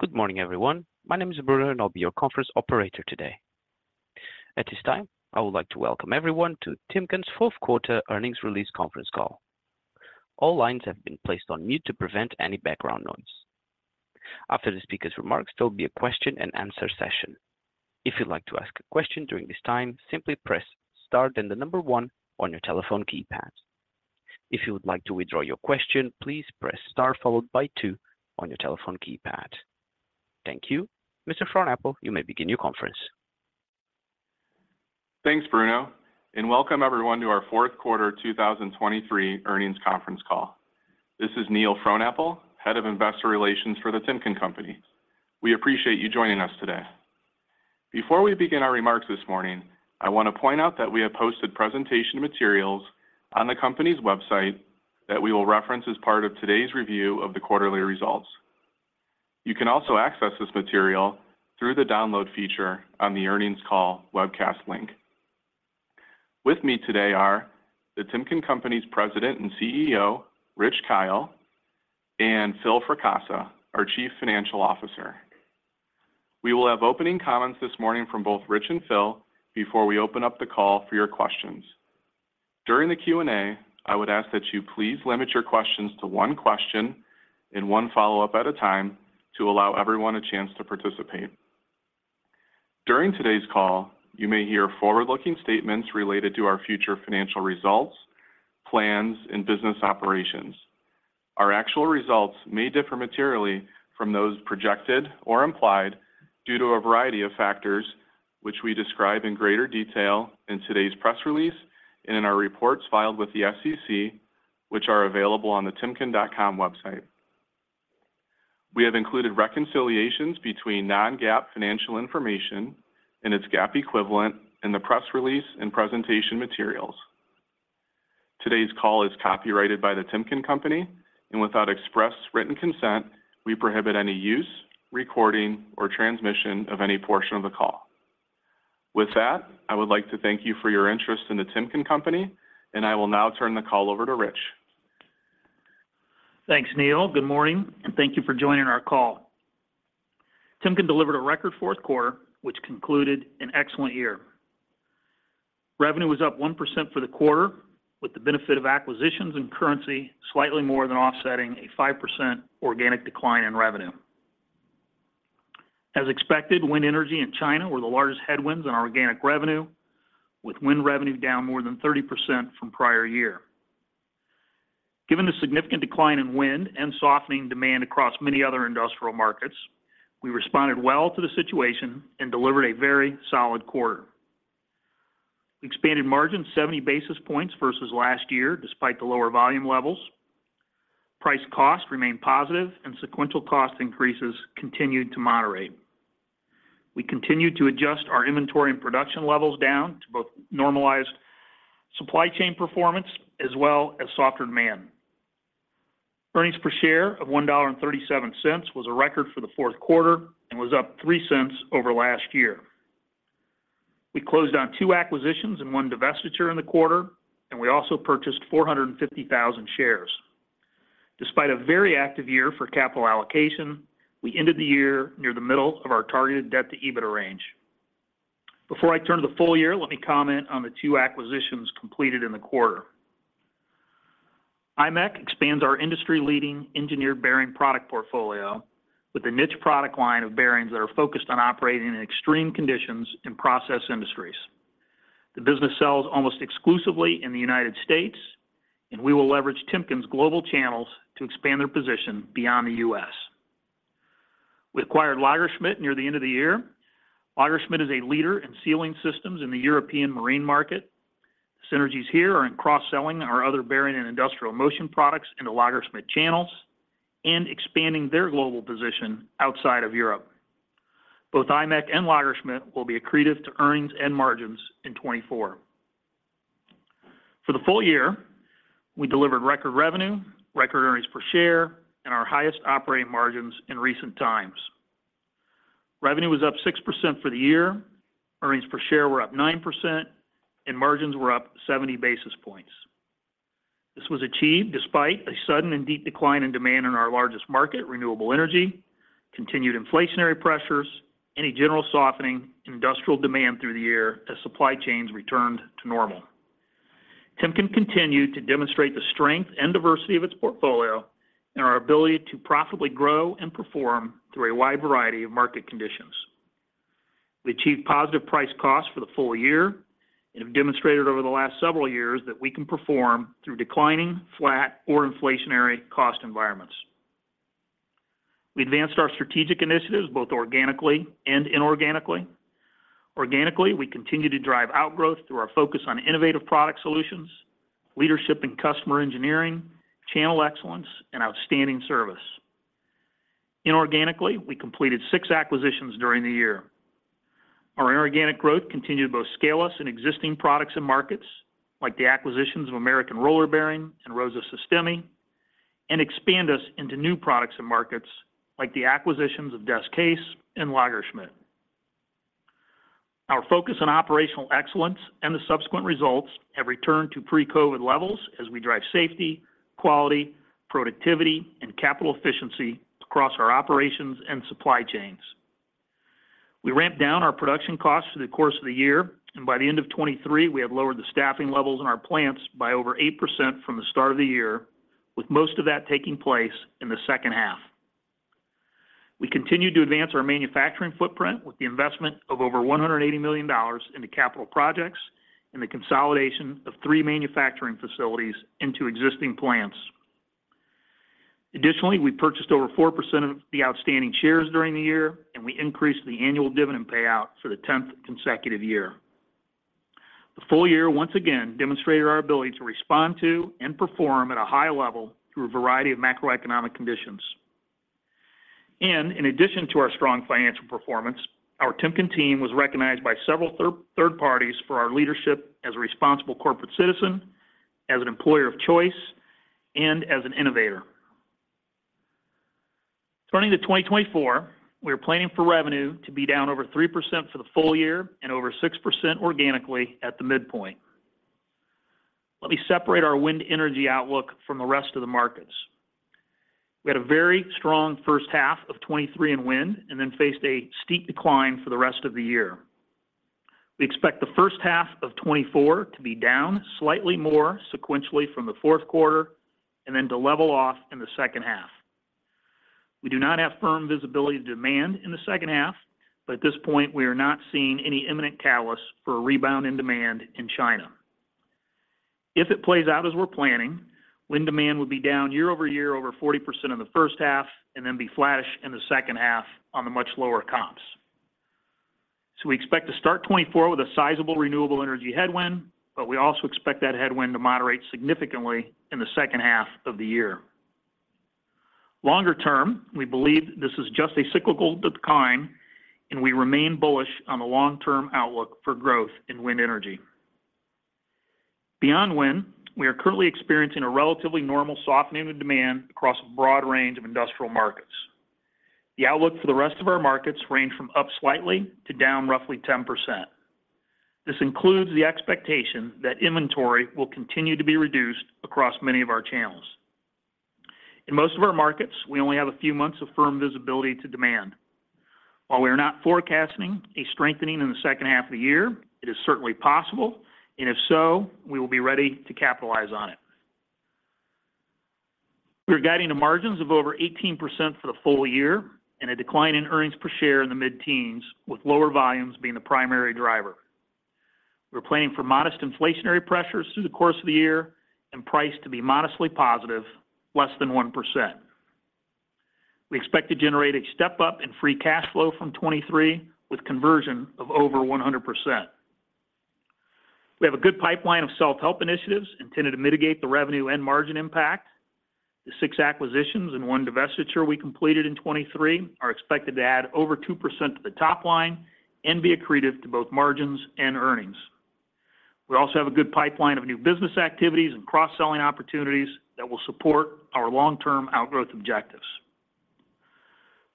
Good morning, everyone. My name is Bruno, and I'll be your conference operator today. At this time, I would like to welcome everyone to Timken's Q4 earnings release conference call. All lines have been placed on mute to prevent any background noise. After the speaker's remarks, there will be a question-and-answer session. If you'd like to ask a question during this time, simply press star, then the number one on your telephone keypad. If you would like to withdraw your question, please press star followed by two on your telephone keypad. Thank you. Mr. Frohnapple, you may begin your conference. Thanks, Bruno, and welcome everyone to our Q4, 2023 earnings conference call. This is Neil Frohnapple, Head of Investor Relations for The Timken Company. We appreciate you joining us today. Before we begin our remarks this morning, I want to point out that we have posted presentation materials on the company's website that we will reference as part of today's review of the quarterly results. You can also access this material through the download feature on the earnings call webcast link. With me today are The Timken Company's President and CEO, Rich Kyle, and Phil Fracassa, our Chief Financial Officer. We will have opening comments this morning from both Rich and Phil before we open up the call for your questions. During the Q&A, I would ask that you please limit your questions to one question and one follow-up at a time to allow everyone a chance to participate. During today's call, you may hear forward-looking statements related to our future financial results, plans, and business operations. Our actual results may differ materially from those projected or implied due to a variety of factors, which we describe in greater detail in today's press release and in our reports filed with the SEC, which are available on the timken.com website. We have included reconciliations between non-GAAP financial information and its GAAP equivalent in the press release and presentation materials. Today's call is copyrighted by The Timken Company, and without express written consent, we prohibit any use, recording, or transmission of any portion of the call. With that, I would like to thank you for your interest in The Timken Company, and I will now turn the call over to Rich. Thanks, Neil. Good morning, and thank you for joining our call. Timken delivered a record Q4, which concluded an excellent year. Revenue was up 1% for the quarter, with the benefit of acquisitions and currency slightly more than offsetting a 5% organic decline in revenue. As expected, wind energy in China were the largest headwinds on organic revenue, with wind revenue down more than 30% from prior year. Given the significant decline in wind and softening demand across many other industrial markets, we responded well to the situation and delivered a very solid quarter. We expanded margin 70 basis points versus last year, despite the lower volume levels. Price cost remained positive and sequential cost increases continued to moderate. We continued to adjust our inventory and production levels down to both normalized supply chain performance as well as softer demand. Earnings per share of $1.37 was a record for the Q4 and was up $0.03 over last year. We closed on 2 acquisitions and 1 divestiture in the quarter, and we also purchased 450,000 shares. Despite a very active year for capital allocation, we ended the year near the middle of our targeted debt to EBITDA range. Before I turn to the full year, let me comment on the 2 acquisitions completed in the quarter. iMECH expands our industry-leading engineered bearing product portfolio with a niche product line of bearings that are focused on operating in extreme conditions in process industries. The business sells almost exclusively in the United States, and we will leverage Timken's global channels to expand their position beyond the US. We acquired Lagersmit near the end of the year. Lagersmit is a leader in sealing systems in the European marine market. Synergies here are in cross-selling our other bearing and industrial motion products into Lagersmit channels and expanding their global position outside of Europe. Both iMECH and Lagersmit will be accretive to earnings and margins in 2024. For the full year, we delivered record revenue, record earnings per share, and our highest operating margins in recent times. Revenue was up 6% for the year, earnings per share were up 9%, and margins were up 70 basis points. This was achieved despite a sudden and deep decline in demand in our largest market, renewable energy, continued inflationary pressures, and a general softening in industrial demand through the year as supply chains returned to normal. Timken continued to demonstrate the strength and diversity of its portfolio and our ability to profitably grow and perform through a wide variety of market conditions. We achieved positive price costs for the full year and have demonstrated over the last several years that we can perform through declining, flat, or inflationary cost environments. We advanced our strategic initiatives both organically and inorganically. Organically, we continue to drive outgrowth through our focus on innovative product solutions, leadership and customer engineering, channel excellence, and outstanding service. Inorganically, we completed six acquisitions during the year. Our inorganic growth continued to both scale us in existing products and markets, like the acquisitions of American Roller Bearing and Rosa Sistemi, and expand us into new products and markets, like the acquisitions of Des-Case and Lagersmit. Our focus on operational excellence and the subsequent results have returned to pre-COVID levels as we drive safety, quality, productivity, and capital efficiency across our operations and supply chains. We ramped down our production costs through the course of the year, and by the end of 2023, we had lowered the staffing levels in our plants by over 8% from the start of the year, with most of that taking place in the second half. We continued to advance our manufacturing footprint with the investment of over $180 million into capital projects and the consolidation of three manufacturing facilities into existing plants. Additionally, we purchased over 4% of the outstanding shares during the year, and we increased the annual dividend payout for the tenth consecutive year. The full year, once again, demonstrated our ability to respond to and perform at a high level through a variety of macroeconomic conditions. In addition to our strong financial performance, our Timken team was recognized by several third parties for our leadership as a responsible corporate citizen, as an employer of choice, and as an innovator. Turning to 2024, we are planning for revenue to be down over 3% for the full year and over 6% organically at the midpoint. Let me separate our wind energy outlook from the rest of the markets. We had a very strong first half of 2023 in wind, and then faced a steep decline for the rest of the year. We expect the first half of 2024 to be down slightly more sequentially from the Q4 and then to level off in the second half. We do not have firm visibility to demand in the second half, but at this point, we are not seeing any imminent catalyst for a rebound in demand in China. If it plays out as we're planning, wind demand would be down year-over-year, over 40% in the first half, and then be flattish in the second half on the much lower comps. So we expect to start 2024 with a sizable renewable energy headwind, but we also expect that headwind to moderate significantly in the second half of the year. Longer term, we believe this is just a cyclical decline, and we remain bullish on the long-term outlook for growth in wind energy. Beyond wind, we are currently experiencing a relatively normal softening of demand across a broad range of industrial markets. The outlook for the rest of our markets range from up slightly to down roughly 10%. This includes the expectation that inventory will continue to be reduced across many of our channels. In most of our markets, we only have a few months of firm visibility to demand. While we are not forecasting a strengthening in the second half of the year, it is certainly possible, and if so, we will be ready to capitalize on it. We are guiding to margins of over 18% for the full year and a decline in earnings per share in the mid-teens, with lower volumes being the primary driver. We're planning for modest inflationary pressures through the course of the year and price to be modestly positive, less than 1%. We expect to generate a step-up in free cash flow from 2023, with conversion of over 100%. We have a good pipeline of self-help initiatives intended to mitigate the revenue and margin impact. The 6 acquisitions and 1 divestiture we completed in 2023 are expected to add over 2% to the top line and be accretive to both margins and earnings. We also have a good pipeline of new business activities and cross-selling opportunities that will support our long-term outgrowth objectives.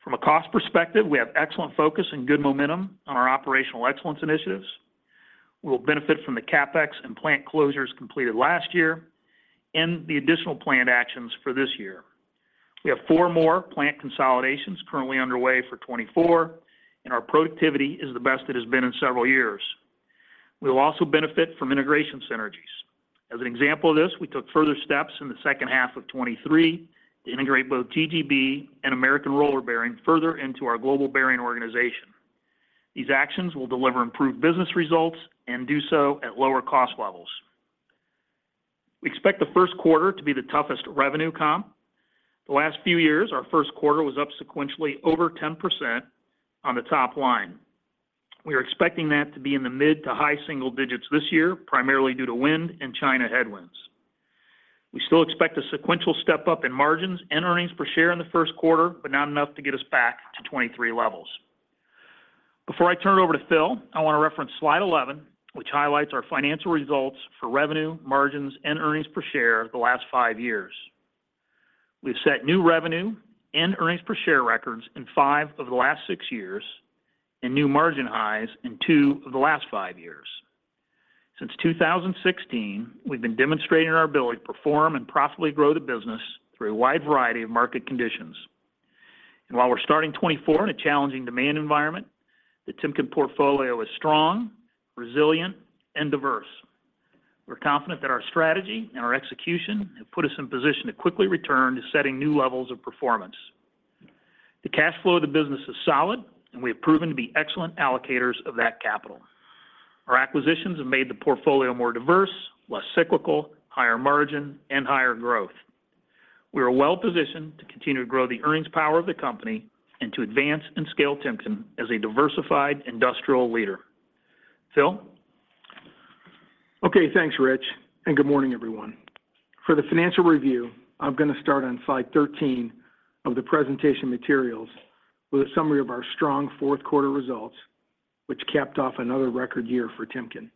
From a cost perspective, we have excellent focus and good momentum on our operational excellence initiatives. We will benefit from the CapEx and plant closures completed last year and the additional plant actions for this year. We have 4 more plant consolidations currently underway for 2024, and our productivity is the best it has been in several years. We will also benefit from integration synergies. As an example of this, we took further steps in the second half of 2023 to integrate both TGB and American Roller Bearing further into our global bearing organization. These actions will deliver improved business results and do so at lower cost levels. We expect the Q1 to be the toughest revenue comp. The last few years, our Q1 was up sequentially over 10% on the top line. We are expecting that to be in the mid- to high-single digits this year, primarily due to wind and China headwinds. We still expect a sequential step-up in margins and earnings per share in the Q1, but not enough to get us back to 2023 levels. Before I turn it over to Phil, I want to reference slide 11, which highlights our financial results for revenue, margins, and earnings per share the last five years. We've set new revenue and earnings per share records in five of the last six years, and new margin highs in two of the last five years. Since 2016, we've been demonstrating our ability to perform and profitably grow the business through a wide variety of market conditions. And while we're starting 2024 in a challenging demand environment, the Timken portfolio is strong, resilient, and diverse. We're confident that our strategy and our execution have put us in position to quickly return to setting new levels of performance. The cash flow of the business is solid, and we have proven to be excellent allocators of that capital. Our acquisitions have made the portfolio more diverse, less cyclical, higher margin, and higher growth. We are well-positioned to continue to grow the earnings power of the company and to advance and scale Timken as a diversified industrial leader. Phil? Okay, thanks, Rich, and good morning, everyone. For the financial review, I'm going to start on slide 13 of the presentation materials with a summary of our strong Q4 results, which capped off another record year for Timken....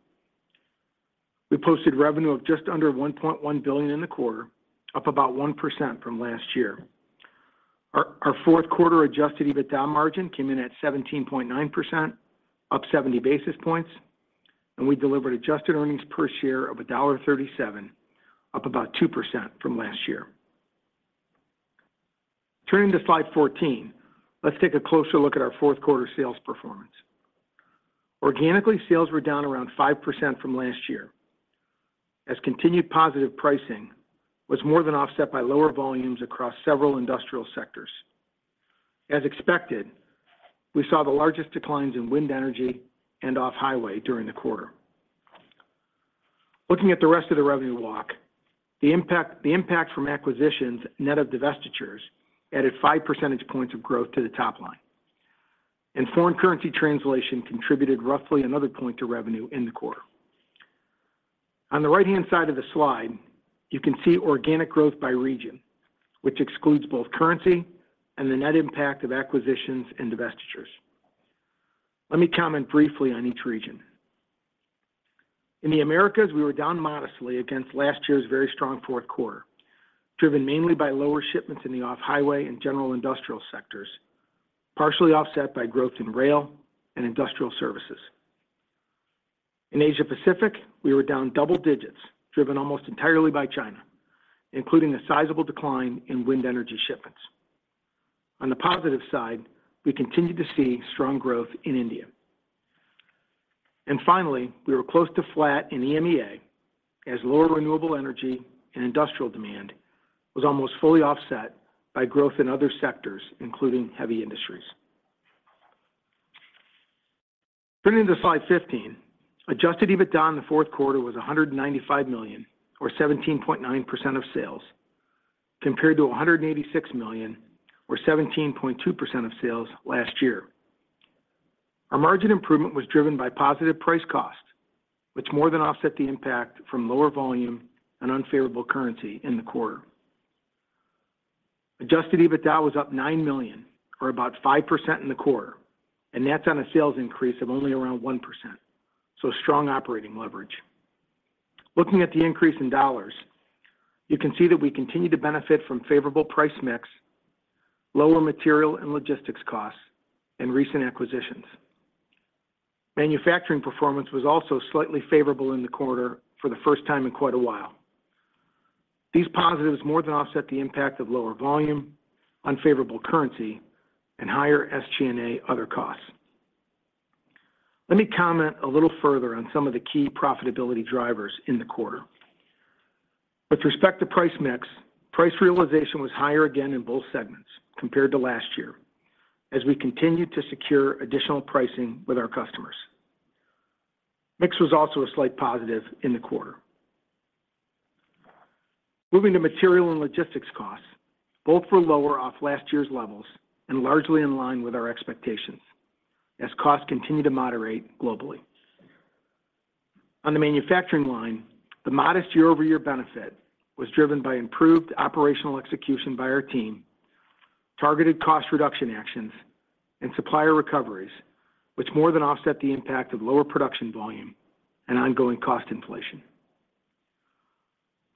We posted revenue of just under $1.1 billion in the quarter, up about 1% from last year. Our Q4 adjusted EBITDA margin came in at 17.9%, up 70 basis points, and we delivered adjusted earnings per share of $1.37, up about 2% from last year. Turning to slide 14, let's take a closer look at our Q4 sales performance. Organically, sales were down around 5% from last year, as continued positive pricing was more than offset by lower volumes across several industrial sectors. As expected, we saw the largest declines in wind energy and off-highway during the quarter. Looking at the rest of the revenue walk, the impact from acquisitions, net of divestitures, added 5 percentage points of growth to the top line. Foreign currency translation contributed roughly another point to revenue in the quarter. On the right-hand side of the slide, you can see organic growth by region, which excludes both currency and the net impact of acquisitions and divestitures. Let me comment briefly on each region. In the Americas, we were down modestly against last year's very strong Q4, driven mainly by lower shipments in the off-highway and general industrial sectors, partially offset by growth in rail and industrial services. In Asia Pacific, we were down double digits, driven almost entirely by China, including a sizable decline in wind energy shipments. On the positive side, we continued to see strong growth in India. And finally, we were close to flat in EMEA, as lower renewable energy and industrial demand was almost fully offset by growth in other sectors, including heavy industries. Turning to slide 15, Adjusted EBITDA in the Q4 was $195 million, or 17.9% of sales, compared to $186 million, or 17.2% of sales last year. Our margin improvement was driven by positive price cost, which more than offset the impact from lower volume and unfavorable currency in the quarter. Adjusted EBITDA was up $9 million, or about 5% in the quarter, and that's on a sales increase of only around 1%, so strong operating leverage. Looking at the increase in dollars, you can see that we continue to benefit from favorable price- mix, lower material and logistics costs, and recent acquisitions. Manufacturing performance was also slightly favorable in the quarter for the first time in quite a while. These positives more than offset the impact of lower volume, unfavorable currency, and higher SG&A other costs. Let me comment a little further on some of the key profitability drivers in the quarter. With respect to price-mix, price realization was higher again in both segments compared to last year, as we continued to secure additional pricing with our customers. Mix was also a slight positive in the quarter. Moving to material and logistics costs, both were lower off last year's levels and largely in line with our expectations as costs continue to moderate globally. On the manufacturing line, the modest year-over-year benefit was driven by improved operational execution by our team, targeted cost reduction actions, and supplier recoveries, which more than offset the impact of lower production volume and ongoing cost inflation.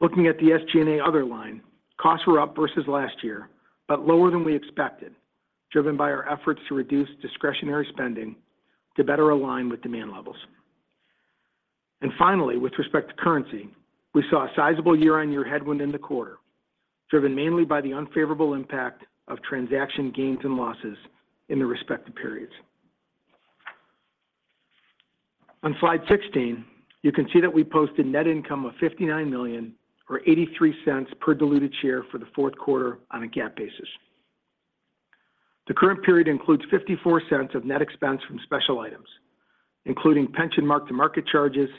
Looking at the SG&A other line, costs were up versus last year, but lower than we expected, driven by our efforts to reduce discretionary spending to better align with demand levels. Finally, with respect to currency, we saw a sizable year-on-year headwind in the quarter, driven mainly by the unfavorable impact of transaction gains and losses in the respective periods. On slide 16, you can see that we posted net income of $59 million, or $0.83 per diluted share for the Q4 on a GAAP basis. The current period includes $0.54 of net expense from special items, including pension mark-to-market charges,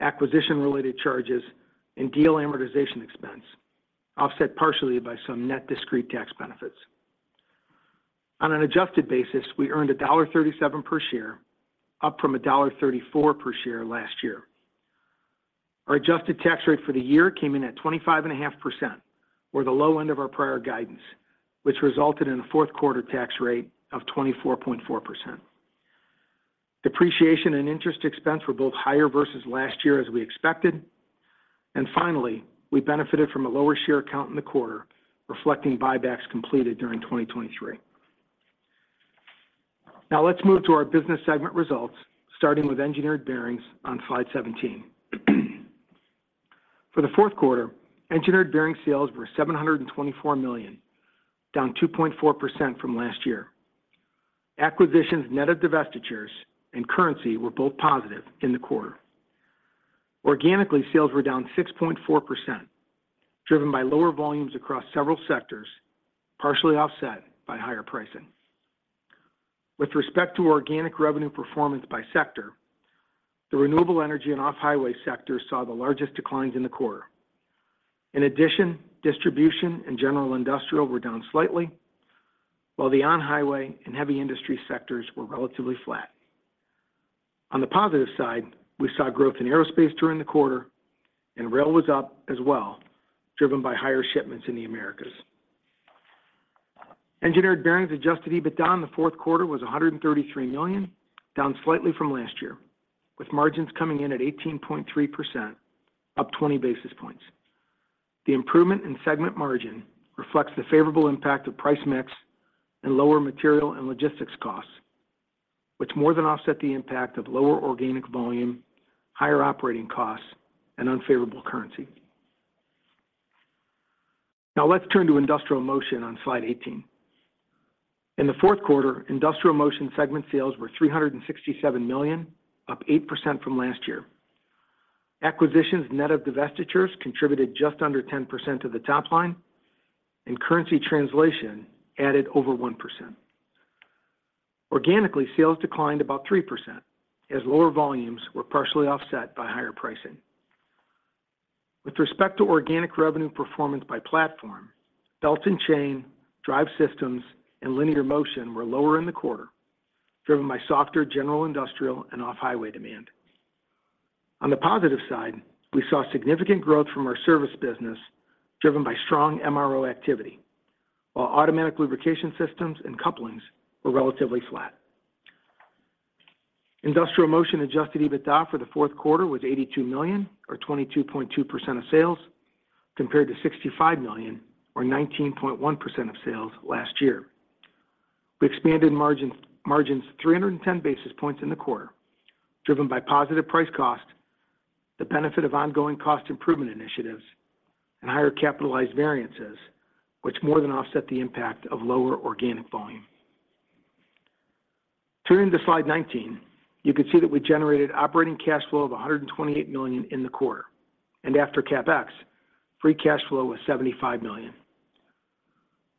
acquisition-related charges, and deal amortization expense, offset partially by some net discrete tax benefits. On an adjusted basis, we earned $1.37 per share, up from $1.34 per share last year. Our adjusted tax rate for the year came in at 25.5%, or the low end of our prior guidance, which resulted in a Q4 tax rate of 24.4%. Depreciation and interest expense were both higher versus last year, as we expected. And finally, we benefited from a lower share count in the quarter, reflecting buybacks completed during 2023. Now, let's move to our business segment results, starting with Engineered Bearings on slide 17. For the Q4, Engineered Bearings sales were $724 million, down 2.4% from last year. Acquisitions, net of divestitures and currency, were both positive in the quarter. Organically, sales were down 6.4%, driven by lower volumes across several sectors, partially offset by higher pricing. With respect to organic revenue performance by sector, the renewable energy and off-highway sectors saw the largest declines in the quarter. In addition, distribution and general industrial were down slightly, while the on-highway and heavy industry sectors were relatively flat. On the positive side, we saw growth in aerospace during the quarter, and rail was up as well, driven by higher shipments in the Americas. Engineered Bearings Adjusted EBITDA in the Q4 was $133 million, down slightly from last year, with margins coming in at 18.3%, up 20 basis points. The improvement in segment margin reflects the favorable impact of price mix and lower material and logistics costs, which more than offset the impact of lower organic volume, higher operating costs, and unfavorable currency. Now let's turn to Industrial Motion on slide 18. In the Q4, Industrial Motion segment sales were $367 million, up 8% from last year. Acquisitions net of divestitures contributed just under 10% of the top line, and currency translation added over 1%. Organically, sales declined about 3%, as lower volumes were partially offset by higher pricing. With respect to organic revenue performance by platform, Belt and Chain, Drive Systems, and Linear Motion were lower in the quarter, driven by softer general industrial and off-highway demand. On the positive side, we saw significant growth from our service business, driven by strong MRO activity, while Automatic Lubrication Systems and Couplings were relatively flat. Industrial Motion Adjusted EBITDA for the Q4 was $82 million, or 22.2% of sales, compared to $65 million, or 19.1% of sales last year. We expanded margin, margins 310 basis points in the quarter, driven by positive price cost, the benefit of ongoing cost improvement initiatives, and higher capitalized variances, which more than offset the impact of lower organic volume. Turning to slide 19, you can see that we generated operating cash flow of $128 million in the quarter, and after CapEx, free cash flow was $75 million.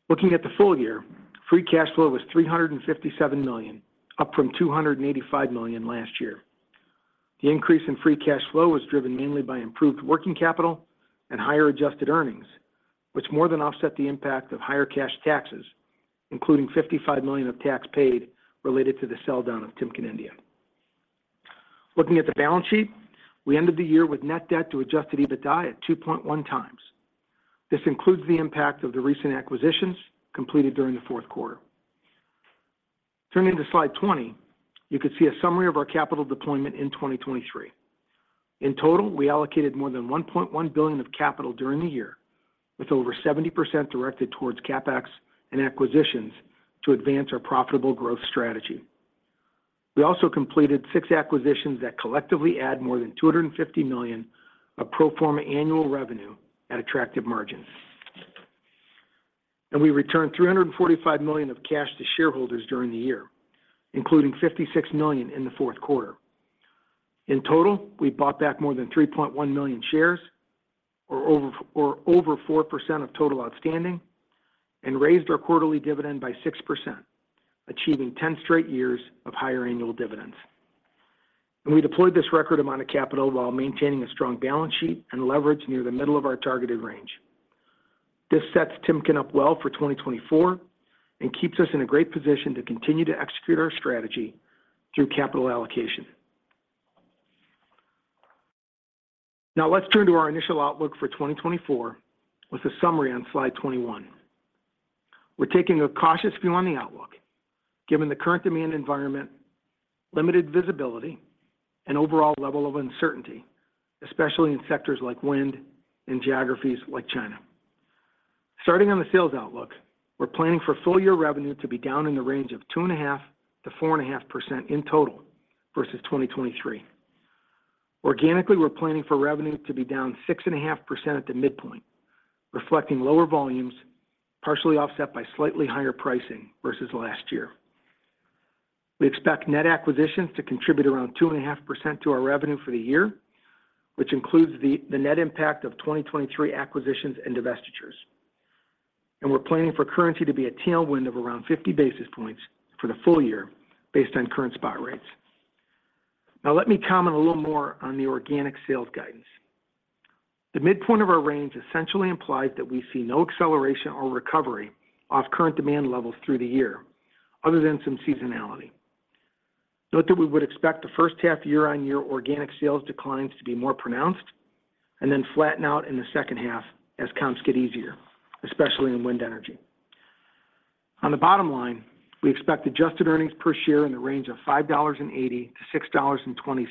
Looking at the full year, free cash flow was $357 million, up from $285 million last year. The increase in free cash flow was driven mainly by improved working capital and higher adjusted earnings, which more than offset the impact of higher cash taxes, including $55 million of tax paid related to the sell-down of Timken India. Looking at the balance sheet, we ended the year with net debt to Adjusted EBITDA at 2.1 times. This includes the impact of the recent acquisitions completed during the Q4. Turning to slide 20, you can see a summary of our capital deployment in 2023. In total, we allocated more than $1.1 billion of capital during the year, with over 70% directed towards CapEx and acquisitions to advance our profitable growth strategy. We also completed 6 acquisitions that collectively add more than $250 million of pro forma annual revenue at attractive margins. And we returned $345 million of cash to shareholders during the year, including $56 million in the Q4. In total, we bought back more than 3.1 million shares, or over 4% of total outstanding, and raised our quarterly dividend by 6%, achieving 10 straight years of higher annual dividends. We deployed this record amount of capital while maintaining a strong balance sheet and leverage near the middle of our targeted range. This sets Timken up well for 2024 and keeps us in a great position to continue to execute our strategy through capital allocation. Now let's turn to our initial outlook for 2024, with a summary on slide 21. We're taking a cautious view on the outlook, given the current demand environment, limited visibility, and overall level of uncertainty, especially in sectors like wind and geographies like China. Starting on the sales outlook, we're planning for full-year revenue to be down in the range of 2.5%-4.5% in total versus 2023. Organically, we're planning for revenue to be down 6.5% at the midpoint, reflecting lower volumes, partially offset by slightly higher pricing versus last year. We expect net acquisitions to contribute around 2.5% to our revenue for the year, which includes the net impact of 2023 acquisitions and divestitures. And we're planning for currency to be a tailwind of around 50 basis points for the full year based on current spot rates. Now, let me comment a little more on the organic sales guidance. The midpoint of our range essentially implies that we see no acceleration or recovery off current demand levels through the year, other than some seasonality. Note that we would expect the first half year-on-year organic sales declines to be more pronounced and then flatten out in the second half as comps get easier, especially in wind energy. On the bottom line, we expect adjusted earnings per share in the range of $5.80-$6.20.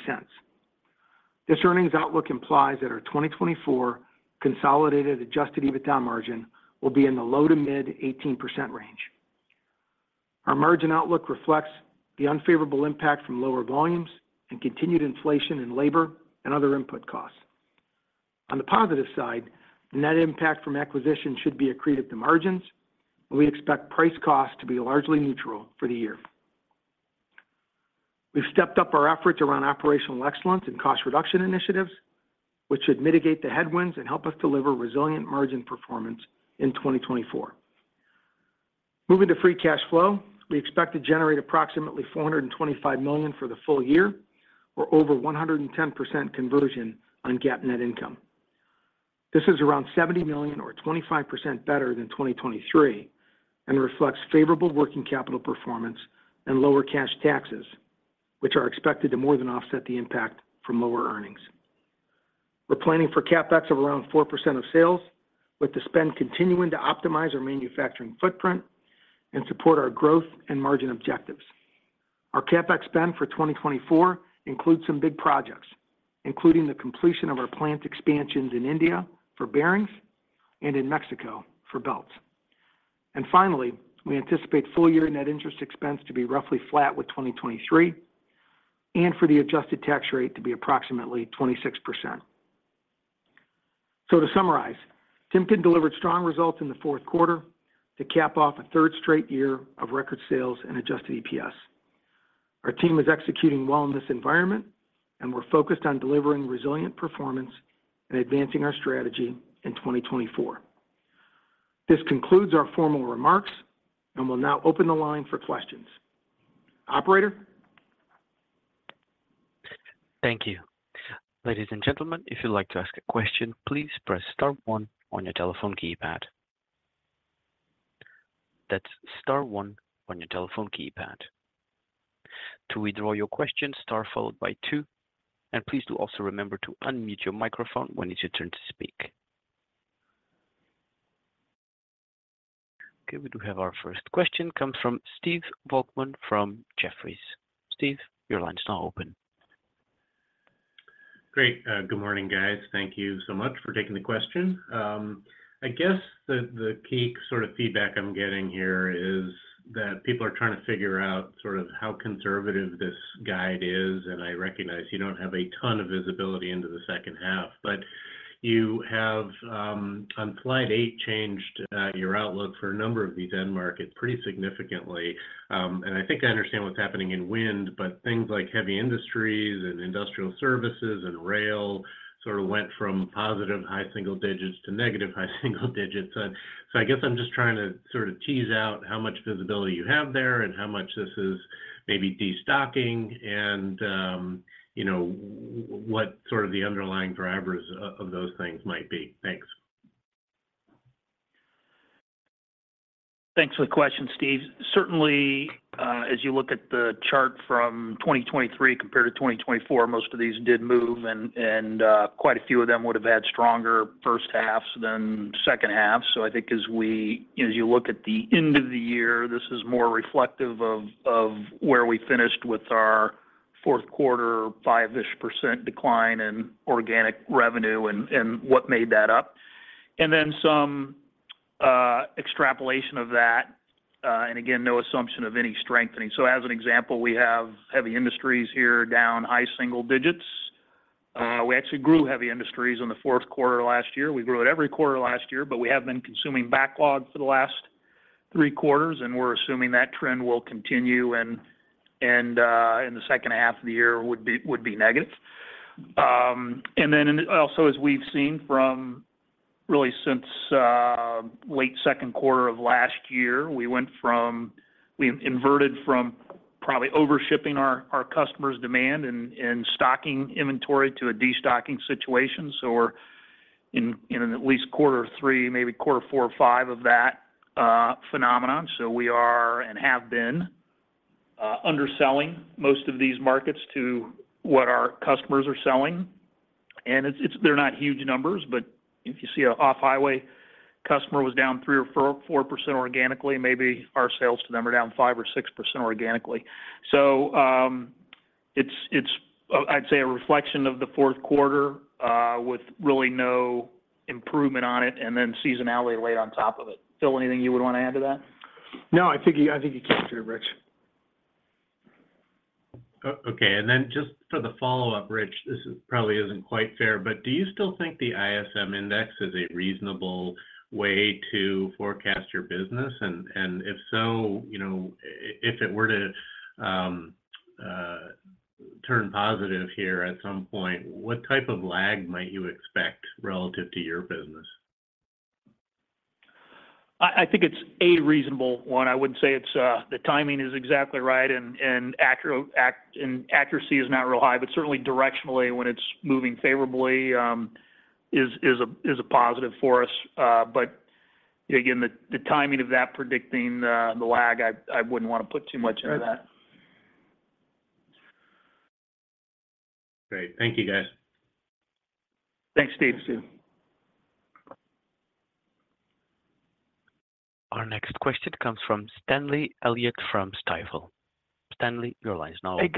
This earnings outlook implies that our 2024 consolidated adjusted EBITDA margin will be in the low- to mid-18% range. Our margin outlook reflects the unfavorable impact from lower volumes and continued inflation in labor and other input costs. On the positive side, the net impact from acquisition should be accretive to margins, and we expect price cost to be largely neutral for the year. We've stepped up our efforts around operational excellence and cost reduction initiatives, which should mitigate the headwinds and help us deliver resilient margin performance in 2024. Moving to free cash flow, we expect to generate approximately $425 million for the full year or over 110% conversion on GAAP net income. This is around $70 million or 25% better than 2023 and reflects favorable working capital performance and lower cash taxes, which are expected to more than offset the impact from lower earnings.... We're planning for CapEx of around 4% of sales, with the spend continuing to optimize our manufacturing footprint and support our growth and margin objectives. Our CapEx spend for 2024 includes some big projects, including the completion of our plant expansions in India for bearings and in Mexico for belts. And finally, we anticipate full-year net interest expense to be roughly flat with 2023, and for the adjusted tax rate to be approximately 26%. So to summarize, Timken delivered strong results in the Q4 to cap off a third straight year of record sales and adjusted EPS. Our team is executing well in this environment, and we're focused on delivering resilient performance and advancing our strategy in 2024. This concludes our formal remarks, and we'll now open the line for questions. Operator? Thank you. Ladies and gentlemen, if you'd like to ask a question, please press star one on your telephone keypad. That's star one on your telephone keypad. To withdraw your question, star followed by two, and please do also remember to unmute your microphone when it's your turn to speak. Okay, we do have our first question. Comes from Steve Volkmann from Jefferies. Steve, your line is now open. Great. Good morning, guys. Thank you so much for taking the question. I guess the, the key sort of feedback I'm getting here is that people are trying to figure out sort of how conservative this guide is, and I recognize you don't have a ton of visibility into the second half. But you have, on slide 8, changed, your outlook for a number of these end markets pretty significantly. And I think I understand what's happening in wind, but things like heavy industries and industrial services and rail sort of went from positive high single digits to negative high single digits. So I guess I'm just trying to sort of tease out how much visibility you have there and how much this is maybe destocking and, you know, what sort of the underlying drivers of those things might be. Thanks. Thanks for the question, Steve. Certainly, as you look at the chart from 2023 compared to 2024, most of these did move, and quite a few of them would have had stronger first halves than second halves. So I think as you look at the end of the year, this is more reflective of where we finished with our Q4, 5%-ish decline in organic revenue and what made that up. And then some extrapolation of that, and again, no assumption of any strengthening. So as an example, we have heavy industries here down high single digits. We actually grew heavy industries in the Q4 last year. We grew it every quarter last year, but we have been consuming backlogs for the last 3 quarters, and we're assuming that trend will continue and in the second half of the year would be, would be negative. And then also, as we've seen from really since late Q2 of last year, we went from we inverted from probably overshipping our customers' demand and stocking inventory to a destocking situation. So we're in at least Q3, maybe Q4 or 5 of that phenomenon. So we are, and have been, underselling most of these markets to what our customers are selling. And it's, it's they're not huge numbers, but if you see an off-highway customer was down 3 or 4, 4% organically, maybe our sales to them are down 5 or 6% organically. So, it's a reflection of the Q4 with really no improvement on it and then seasonality laid on top of it. Phil, anything you would want to add to that? No, I think you captured it, Rich. Okay, and then just for the follow-up, Rich, this probably isn't quite fair, but do you still think the ISM index is a reasonable way to forecast your business? And if so, you know, if it were to turn positive here at some point, what type of lag might you expect relative to your business? I think it's a reasonable one. I wouldn't say it's the timing is exactly right and accuracy is not real high, but certainly directionally, when it's moving favorably, is a positive for us. But again, the timing of that predicting the lag, I wouldn't want to put too much into that. Great. Thank you, guys. Thanks, Steve, too. Our next question comes from Stanley Elliott from Stifel. Stanley, your line is now open.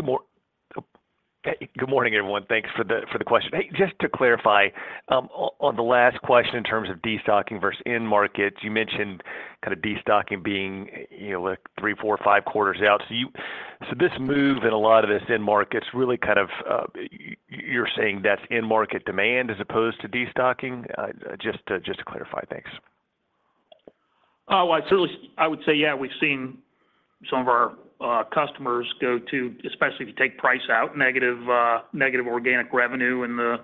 Hey, good morning, everyone. Thanks for the question. Hey, just to clarify, on the last question in terms of destocking versus end markets, you mentioned kind of destocking being, you know, like 3, 4, or 5 quarters out. So this move in a lot of this end markets, really kind of, you're saying that's end market demand as opposed to destocking? Just to clarify. Thanks. Oh, I certainly. I would say, yeah, we've seen some of our customers go to, especially if you take price out, negative organic revenue in the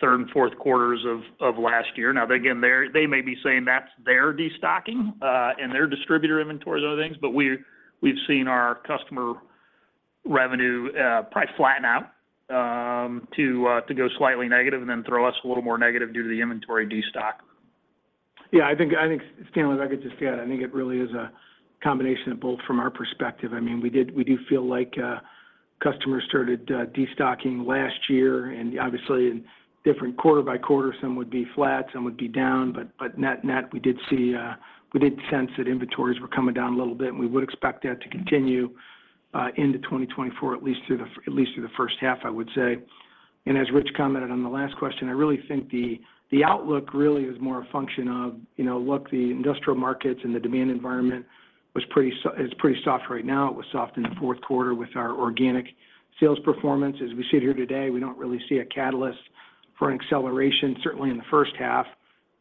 third and Q4 of last year. Now, again, they're. They may be saying that's their destocking, and their distributor inventories, other things, but we've seen our customer revenue probably flatten out to go slightly negative and then throw us a little more negative due to the inventory destock.... Yeah, I think, I think, Stanley, if I could just add, I think it really is a combination of both from our perspective. I mean, we did—we do feel like customers started destocking last year, and obviously, in different quarter by quarter, some would be flat, some would be down, but net, we did see, we did sense that inventories were coming down a little bit, and we would expect that to continue into 2024, at least through the first half, I would say. And as Rich commented on the last question, I really think the outlook really is more a function of, you know, look, the industrial markets and the demand environment was pretty soft, it's pretty soft right now. It was soft in the Q4 with our organic sales performance. As we sit here today, we don't really see a catalyst for an acceleration, certainly in the first half,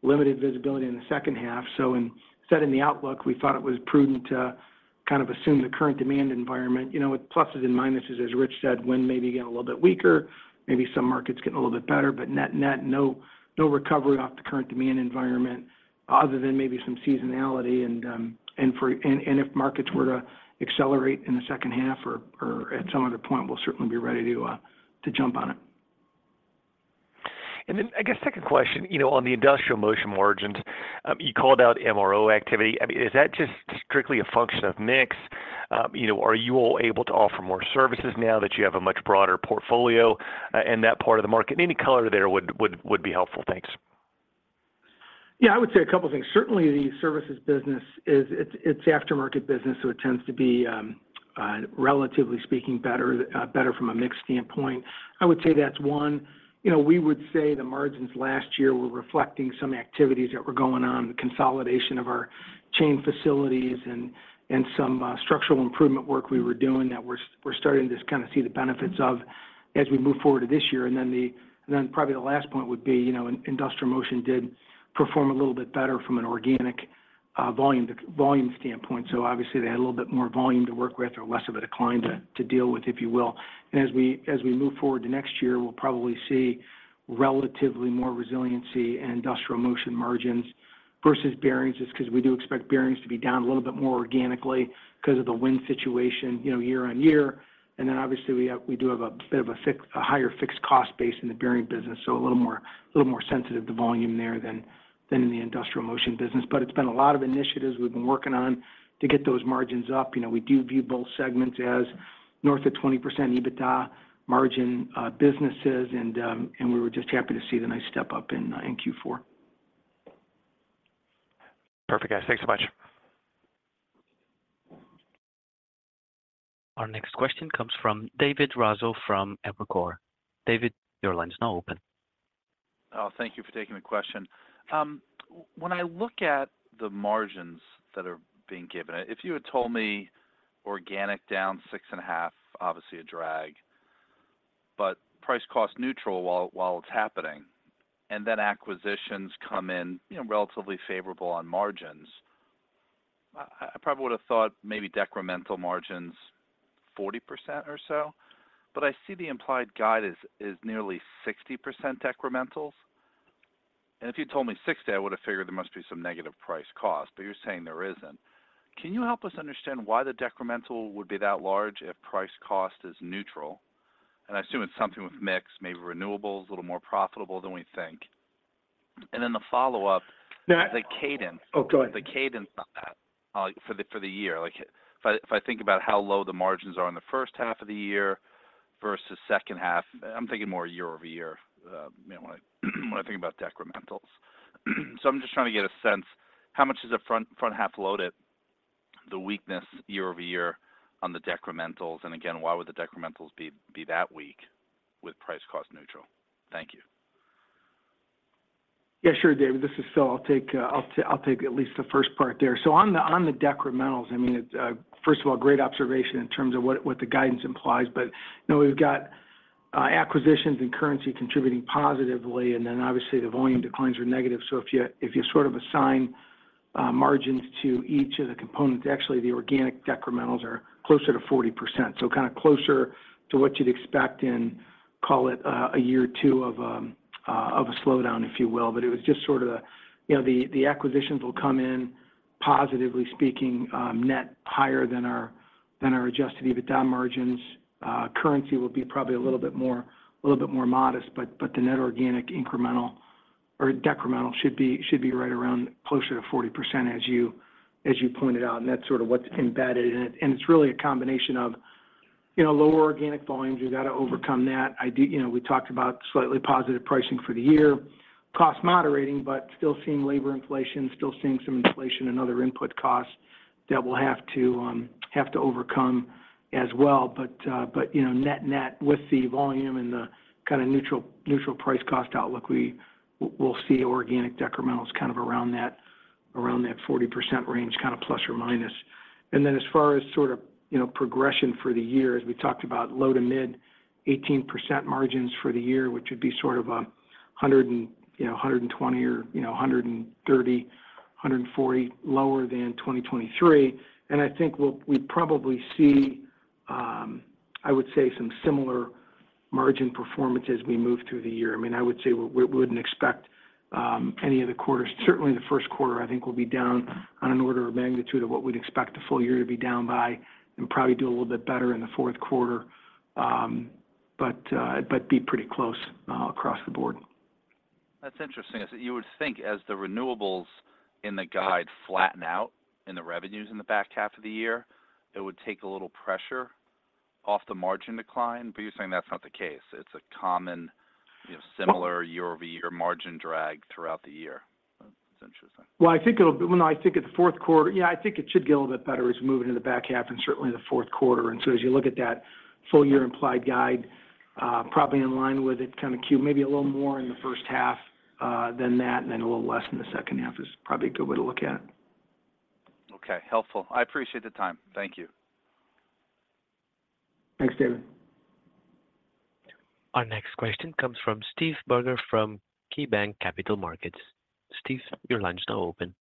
limited visibility in the second half. So in setting the outlook, we thought it was prudent to kind of assume the current demand environment, you know, with pluses and minuses, as Rich said, wind maybe get a little bit weaker, maybe some markets getting a little bit better, but net-net, no, no recovery off the current demand environment other than maybe some seasonality. And if markets were to accelerate in the second half or at some other point, we'll certainly be ready to jump on it. And then, I guess second question, you know, on the industrial motion margins, you called out MRO activity. I mean, is that just strictly a function of mix? You know, are you all able to offer more services now that you have a much broader portfolio in that part of the market? Any color there would be helpful. Thanks. Yeah, I would say a couple of things. Certainly, the services business is—it's aftermarket business, so it tends to be relatively speaking, better from a mix standpoint. I would say that's one. You know, we would say the margins last year were reflecting some activities that were going on, the consolidation of our chain facilities and some structural improvement work we were doing that we're starting to just kind of see the benefits of as we move forward to this year. And then probably the last point would be, you know, Industrial Motion did perform a little bit better from an organic volume to volume standpoint. So obviously, they had a little bit more volume to work with or less of a decline to deal with, if you will. And as we move forward to next year, we'll probably see relatively more resiliency in Industrial Motion margins versus bearings, just 'cause we do expect bearings to be down a little bit more organically because of the wind situation, you know, year-over-year. And then obviously, we have, we do have a bit of a higher fixed cost base in the bearing business, so a little more, a little more sensitive to volume there than in the Industrial Motion business. But it's been a lot of initiatives we've been working on to get those margins up. You know, we do view both segments as north of 20% EBITDA margin businesses, and we were just happy to see the nice step up in Q4. Perfect, guys. Thanks so much. Our next question comes from David Raso from Evercore ISI. David, your line is now open. Oh, thank you for taking the question. When I look at the margins that are being given, if you had told me organic down 6.5, obviously a drag, but price cost neutral while it's happening, and then acquisitions come in, you know, relatively favorable on margins, I probably would have thought maybe decremental margins 40% or so, but I see the implied guide is nearly 60% decrementals. And if you told me 60, I would have figured there must be some negative price cost, but you're saying there isn't. Can you help us understand why the decremental would be that large if price cost is neutral? And I assume it's something with mix, maybe renewables, a little more profitable than we think. And then the follow-up- Yeah- -the cadence. Oh, go ahead. The cadence on that, for the year. Like, if I think about how low the margins are in the first half of the year versus second half, I'm thinking more year-over-year, you know, when I think about decrementals. So I'm just trying to get a sense, how much is the front half loaded, the weakness year-over-year on the decrementals? And again, why would the decrementals be that weak with price cost neutral? Thank you. Yeah, sure, David. This is Phil. I'll take, I'll take at least the first part there. So on the, on the decrementals, I mean, first of all, great observation in terms of what, what the guidance implies, but, you know, we've got, acquisitions and currency contributing positively, and then obviously the volume declines are negative. So if you, if you sort of assign, margins to each of the components, actually, the organic decrementals are closer to 40%. So kinda closer to what you'd expect in, call it, a year or two of, of a slowdown, if you will. But it was just sort of, you know, the, the acquisitions will come in, positively speaking, net higher than our, than our adjusted EBITDA margins. Currency will be probably a little bit more modest, but the net organic incremental or decremental should be right around closer to 40%, as you pointed out, and that's sort of what's embedded in it. And it's really a combination of, you know, lower organic volumes, you got to overcome that. You know, we talked about slightly positive pricing for the year. Cost moderating, but still seeing labor inflation, still seeing some inflation and other input costs that we'll have to overcome as well. But you know, net-net, with the volume and the kind of neutral price cost outlook, we'll see organic decrementals kind of around that 40% range, kind of plus or minus. And then as far as sort of, you know, progression for the year, as we talked about, low to mid-18% margins for the year, which would be sort of, a hundred and, you know, 120 or, you know, 130, 140 lower than 2023. And I think we'd probably see, I would say, some similar margin performance as we move through the year. I mean, I would say we wouldn't expect any of the quarters. Certainly, the Q1, I think, will be down on an order of magnitude of what we'd expect the full year to be down by, and probably do a little bit better in the Q1.... but be pretty close, across the board. That's interesting. Is that you would think as the renewables in the guide flatten out in the revenues in the back half of the year, it would take a little pressure off the margin decline? But you're saying that's not the case. It's a common, you know, similar year-over-year margin drag throughout the year. That's interesting. Well, no, I think in the Q4. Yeah, I think it should get a little bit better as we move into the back half and certainly in the Q4. And so as you look at that full year implied guide, probably in line with it, kind of cute, maybe a little more in the first half than that, and then a little less in the second half is probably a good way to look at it. Okay, helpful. I appreciate the time. Thank you. Thanks, David. Our next question comes from Steve Barger from KeyBanc Capital Markets. Steve, your line is now open.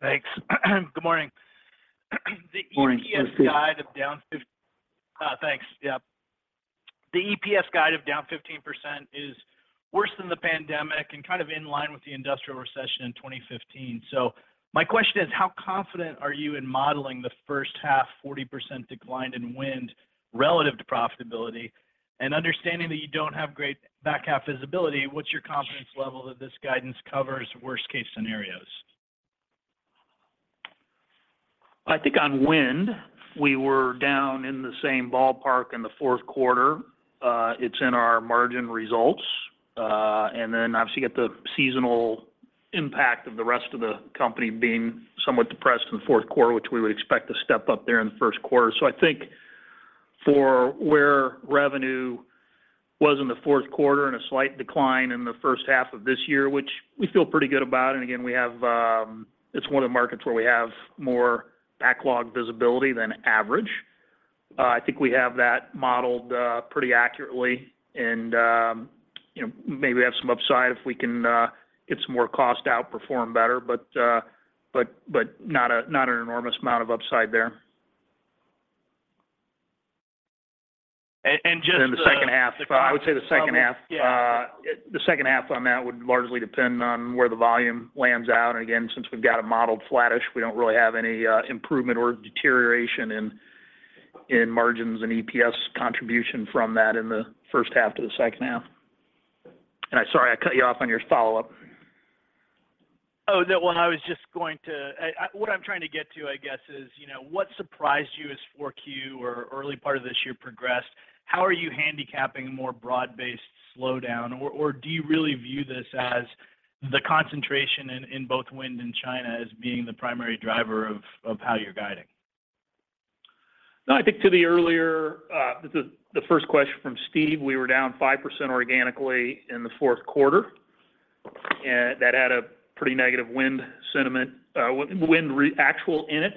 Thanks. Good morning. Good morning, Steve. Thanks. Yep. The EPS guide of down 15% is worse than the pandemic and kind of in line with the industrial recession in 2015. So my question is, how confident are you in modeling the first half 40% decline in wind relative to profitability? And understanding that you don't have great back half visibility, what's your confidence level that this guidance covers worst-case scenarios? I think on wind, we were down in the same ballpark in the Q4. It's in our margin results. And then obviously, you get the seasonal impact of the rest of the company being somewhat depressed in the Q4, which we would expect to step up there in the Q1. So I think for where revenue was in the Q4 and a slight decline in the first half of this year, which we feel pretty good about, and again, it's one of the markets where we have more backlog visibility than average. I think we have that modeled pretty accurately, and you know, maybe we have some upside if we can get some more cost out, perform better, but not an enormous amount of upside there. And just- In the second half, I would say the second half. Yeah. The second half on that would largely depend on where the volume lands out. And again, since we've got it modeled flattish, we don't really have any improvement or deterioration in margins and EPS contribution from that in the first half to the second half. And sorry, I cut you off on your follow-up. Oh, no. Well, I was just going to... what I'm trying to get to, I guess, is, you know, what surprised you as 4Q or early part of this year progressed? How are you handicapping a more broad-based slowdown, or, or do you really view this as the concentration in, in both wind and China as being the primary driver of, of how you're guiding? No, I think to the earlier, the first question from Steve, we were down 5% organically in the Q4, that had a pretty negative wind sentiment, wind actual in it.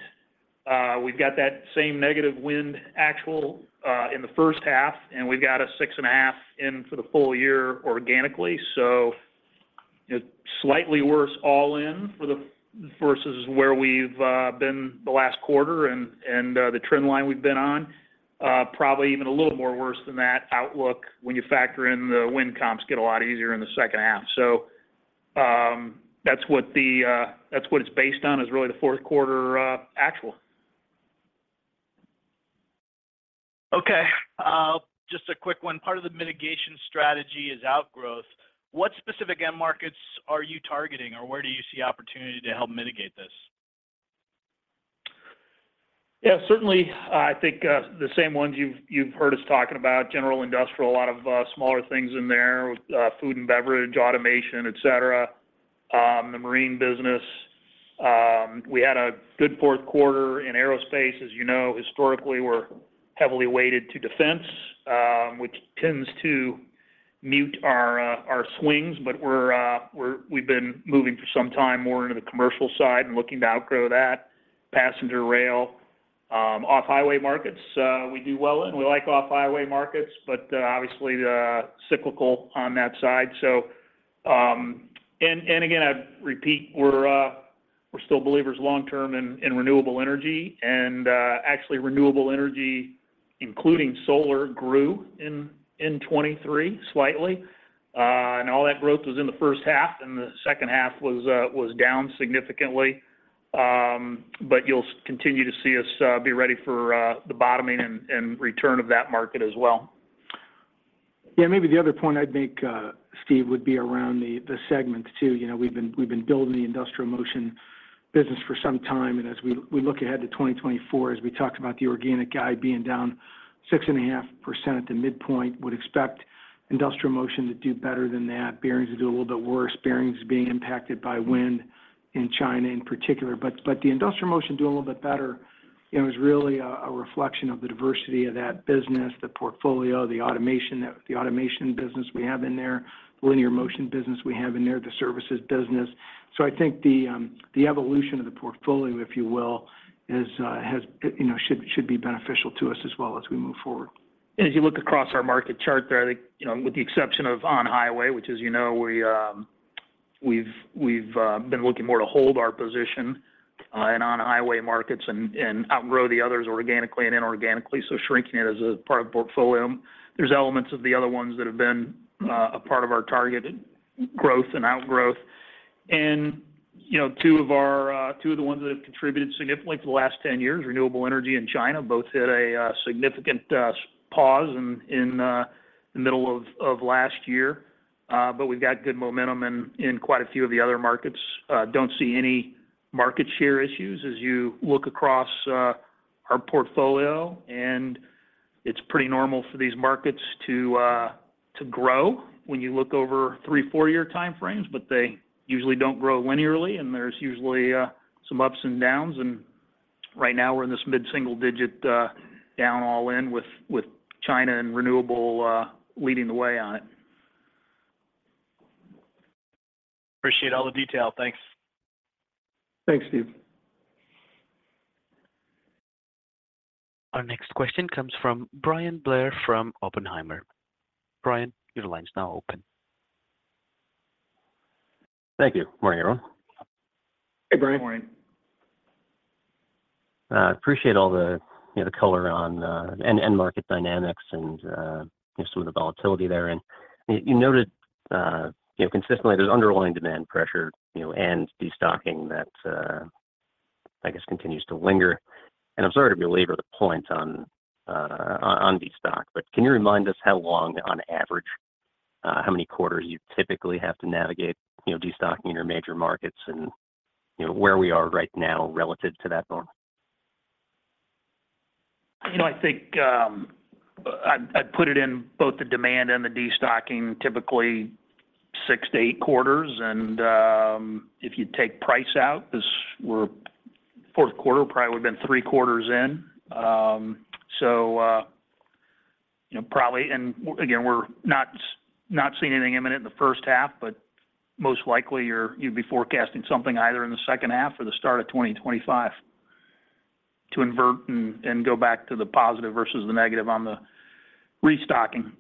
We've got that same negative wind actual in the first half, and we've got a 6.5% in for the full year organically, so slightly worse all in for the versus where we've been the last quarter and the trend line we've been on. Probably even a little more worse than that outlook when you factor in the wind comps get a lot easier in the second half. So, that's what the, that's what it's based on, is really the Q4 actual. Okay. Just a quick one. Part of the mitigation strategy is outgrowth. What specific end markets are you targeting, or where do you see opportunity to help mitigate this? Yeah, certainly, I think, the same ones you've, you've heard us talking about, general industrial, a lot of, smaller things in there, food and beverage, automation, et cetera, the marine business. We had a good Q4 in aerospace, as you know, historically, we're heavily weighted to defense, which tends to mute our, our swings, but we're, we're-- we've been moving for some time more into the commercial side and looking to outgrow that. Passenger rail, off-highway markets, we do well in. We like off-highway markets, but obviously, cyclical on that side. So, and, and again, I'd repeat, we're, we're still believers long term in, in renewable energy, and, actually, renewable energy, including solar, grew in, in 2023, slightly. And all that growth was in the first half, and the second half was down significantly. But you'll continue to see us be ready for the bottoming and return of that market as well. Yeah, maybe the other point I'd make, Steve, would be around the segment too. You know, we've been building the Industrial Motion business for some time, and as we look ahead to 2024, as we talked about the organic guide being down 6.5% at the midpoint, would expect Industrial Motion to do better than that, bearings to do a little bit worse, bearings being impacted by wind in China in particular. But the Industrial Motion does a little bit better, you know, is really a reflection of the diversity of that business, the portfolio, the automation business we have in there, the Linear Motion business we have in there, the services business. So I think the evolution of the portfolio, if you will, is, has, you know, should be beneficial to us as well as we move forward. If you look across our market chart there, I think, you know, with the exception of on-highway, which, as you know, we've been looking more to hold our position in on-highway markets and outgrow the others organically and inorganically, so shrinking it as a part of portfolio. There's elements of the other ones that have been a part of our targeted growth and outgrowth.... You know, two of our, two of the ones that have contributed significantly to the last 10 years, renewable energy and China, both hit a significant pause in the middle of last year. But we've got good momentum in quite a few of the other markets. Don't see any market share issues as you look across our portfolio, and it's pretty normal for these markets to grow when you look over three- or four-year time frames. But they usually don't grow linearly, and there's usually some ups and downs, and right now we're in this mid-single-digit down, all in, with China and renewable leading the way on it. Appreciate all the detail. Thanks. Thanks, Steve. Our next question comes from Bryan Blair from Oppenheimer. Bryan, your line is now open. Thank you. Morning, everyone. Hey, Brian. Morning. I appreciate all the, you know, the color on end market dynamics and just some of the volatility there. And you noted, you know, consistently there's underlying demand pressure, you know, and destocking that I guess continues to linger. And I'm sorry to belabor the point on destock, but can you remind us how long on average how many quarters you typically have to navigate, you know, destocking in your major markets and, you know, where we are right now relative to that norm? You know, I think I'd put it in both the demand and the destocking, typically six to eight quarters. If you take price out, this we're Q4, probably would've been three quarters in. So, you know, probably, and again, we're not seeing anything imminent in the first half, but most likely you'd be forecasting something either in the second half or the start of 2025 to invert and go back to the positive versus the negative on the restocking.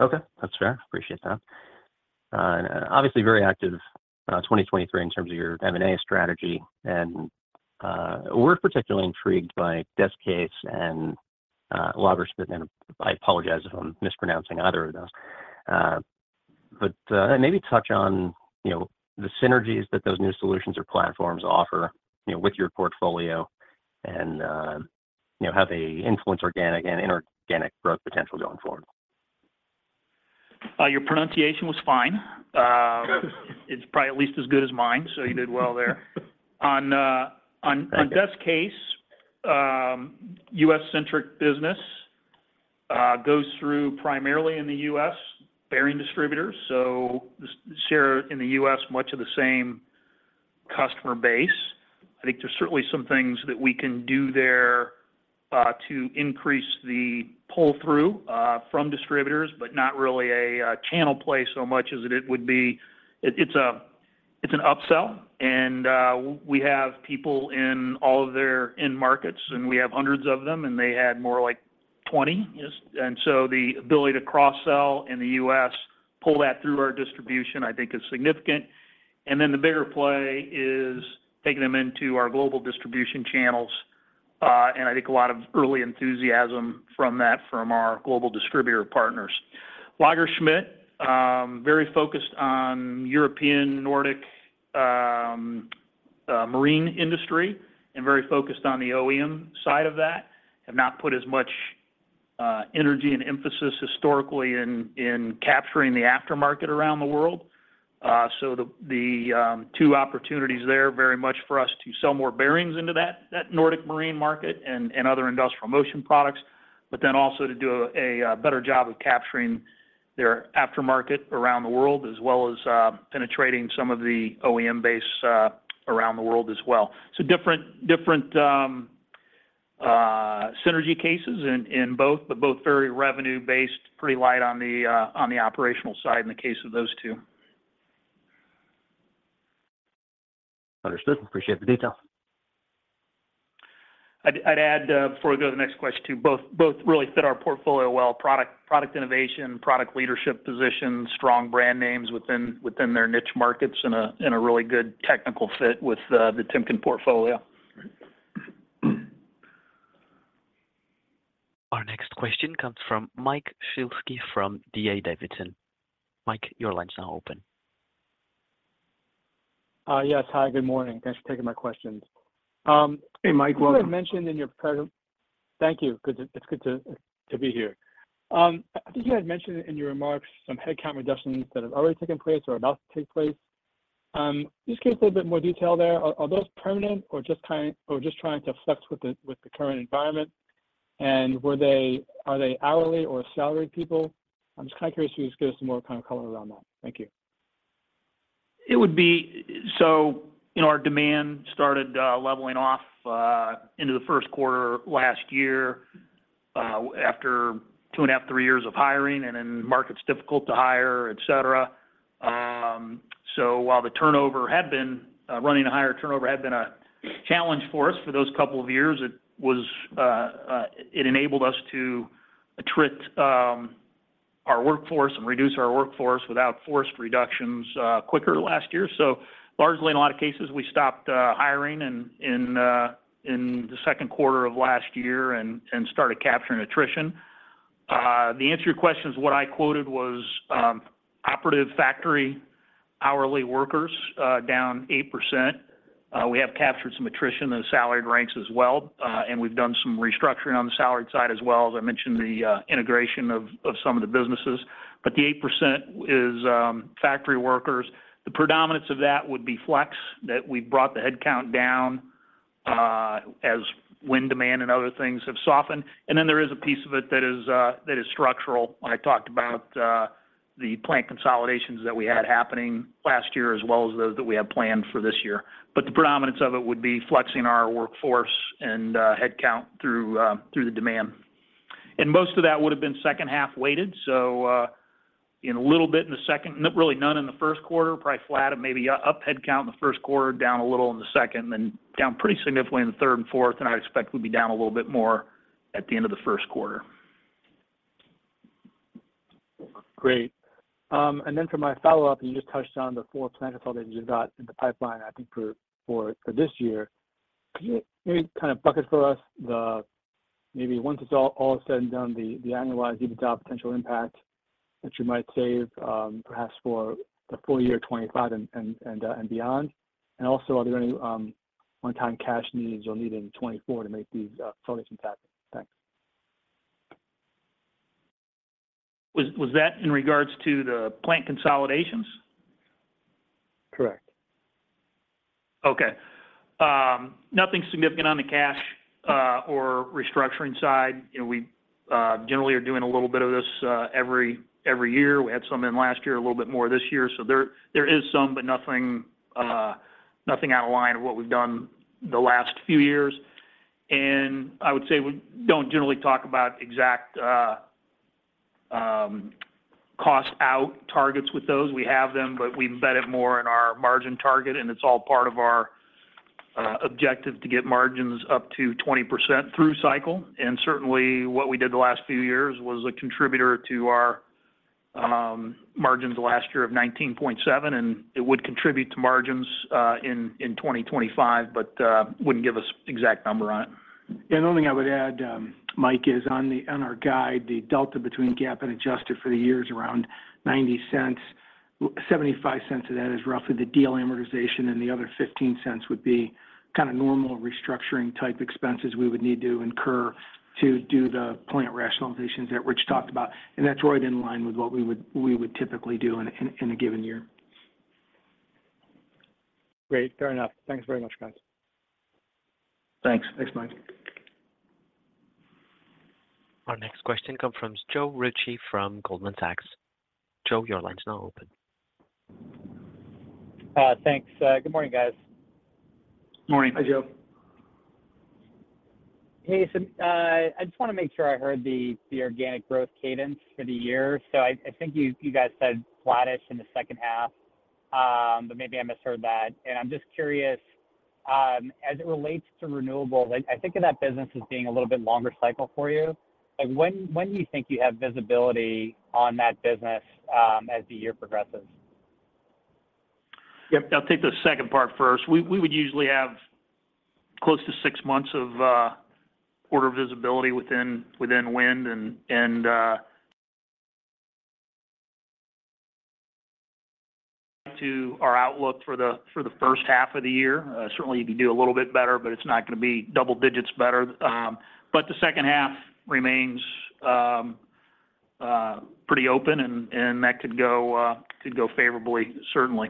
Okay. That's fair. Appreciate that. Obviously very active, 2023 in terms of your M&A strategy, and we're particularly intrigued by Des-Case and Lagersmit. And I apologize if I'm mispronouncing either of those. But maybe touch on, you know, the synergies that those new solutions or platforms offer, you know, with your portfolio and, you know, how they influence organic and inorganic growth potential going forward. Your pronunciation was fine. It's probably at least as good as mine, so you did well there. On Des-Case, U.S.-centric business, goes through primarily in the U.S., bearing distributors. So this share in the U.S., much of the same customer base. I think there's certainly some things that we can do there, to increase the pull-through, from distributors, but not really a channel play so much as it would be. It's a, it's an upsell, and we have people in all of their end markets, and we have hundreds of them, and they had more like 20. Yes. And so the ability to cross-sell in the U.S., pull that through our distribution, I think is significant. Then the bigger play is taking them into our global distribution channels, and I think a lot of early enthusiasm from that, from our global distributor partners. Lagersmit, very focused on European, Nordic, marine industry and very focused on the OEM side of that. Have not put as much energy and emphasis historically in capturing the aftermarket around the world. So the two opportunities there very much for us to sell more bearings into that Nordic marine market and other industrial motion products, but then also to do a better job of capturing their aftermarket around the world, as well as penetrating some of the OEM base around the world as well. So different synergy cases in both, but both very revenue based, pretty light on the operational side in the case of those two. Understood. Appreciate the detail. I'd add, before we go to the next question, too, both really fit our portfolio well. Product innovation, product leadership position, strong brand names within their niche markets, and a really good technical fit with the Timken portfolio. Our next question comes from Mike Shlisky from D.A. Davidson. Mike, your line is now open. Yes. Hi, good morning. Thanks for taking my questions. Hey, Mike, welcome. You had mentioned in your presentation. Thank you. It's good to be here. I think you had mentioned in your remarks some headcount reductions that have already taken place or are about to take place. Just give us a little bit more detail there. Are those permanent or just kind, or just trying to flex with the current environment? And are they hourly or salaried people? I'm just kind of curious if you could just give us some more kind of color around that. Thank you. So, you know, our demand started leveling off into the Q1 last year after 2.5-3 years of hiring and then markets difficult to hire, et cetera. So while the turnover had been running a higher turnover had been a challenge for us for those couple of years, it was it enabled us to attrit our workforce and reduce our workforce without forced reductions quicker last year. So largely, in a lot of cases, we stopped hiring in the Q2 of last year and started capturing attrition. The answer to your question is what I quoted was operative factory hourly workers down 8%. We have captured some attrition in the salaried ranks as well, and we've done some restructuring on the salaried side as well. As I mentioned, the integration of some of the businesses. But the 8% is factory workers. The predominance of that would be flex that we brought the headcount down as wind demand and other things have softened. And then there is a piece of it that is structural. I talked about the plant consolidations that we had happening last year, as well as those that we have planned for this year. But the predominance of it would be flexing our workforce and headcount through the demand. Most of that would have been second half weighted, so, in a little bit in the second, not really none in the Q1, probably flat and maybe up headcount in the Q1, down a little in the second, and down pretty significantly in the third and fourth, and I expect we'll be down a little bit more at the end of the Q1. Great. And then for my follow-up, and you just touched on the four plant consolidations you've got in the pipeline, I think for this year. Can you maybe kind of bucket for us the maybe once it's all said and done, the annualized EBITDA potential impact that you might save, perhaps for the full year 2025 and beyond? And also, are there any one-time cash needs you'll need in 2024 to make these closings happen? Thanks. Was that in regards to the plant consolidations? Correct. Okay. Nothing significant on the cash or restructuring side. You know, we generally are doing a little bit of this every year. We had some in last year, a little bit more this year. So there is some, but nothing out of line of what we've done the last few years. And I would say we don't generally talk about exact cost out targets with those. We have them, but we embed it more in our margin target, and it's all part of our objective to get margins up to 20% through cycle. And certainly, what we did the last few years was a contributor to our margins last year of 19.7%, and it would contribute to margins in 2025, but wouldn't give us exact number on it. Yeah, the only thing I would add, Mike, is on our guide, the delta between GAAP and adjusted for the year is around $0.90. Seventy-five cents of that is roughly the deal amortization, and the other fifteen cents would be kinda normal restructuring type expenses we would need to incur to do the plant rationalizations that Rich talked about. That's right in line with what we would typically do in a given year. Great. Fair enough. Thanks very much, guys. Thanks. Thanks, Mike. Our next question comes from Joe Ritchie from Goldman Sachs. Joe, your line is now open. Thanks. Good morning, guys. Morning. Hi, Joe. Hey, so, I just want to make sure I heard the organic growth cadence for the year. So I think you guys said flattish in the second half, but maybe I misheard that. And I'm just curious, as it relates to renewables, I think of that business as being a little bit longer cycle for you. Like, when do you think you have visibility on that business, as the year progresses? Yep. I'll take the second part first. We would usually have close to six months of quarter visibility within wind and to our outlook for the first half of the year. Certainly, you could do a little bit better, but it's not gonna be double digits better. But the second half remains pretty open and that could go favorably, certainly.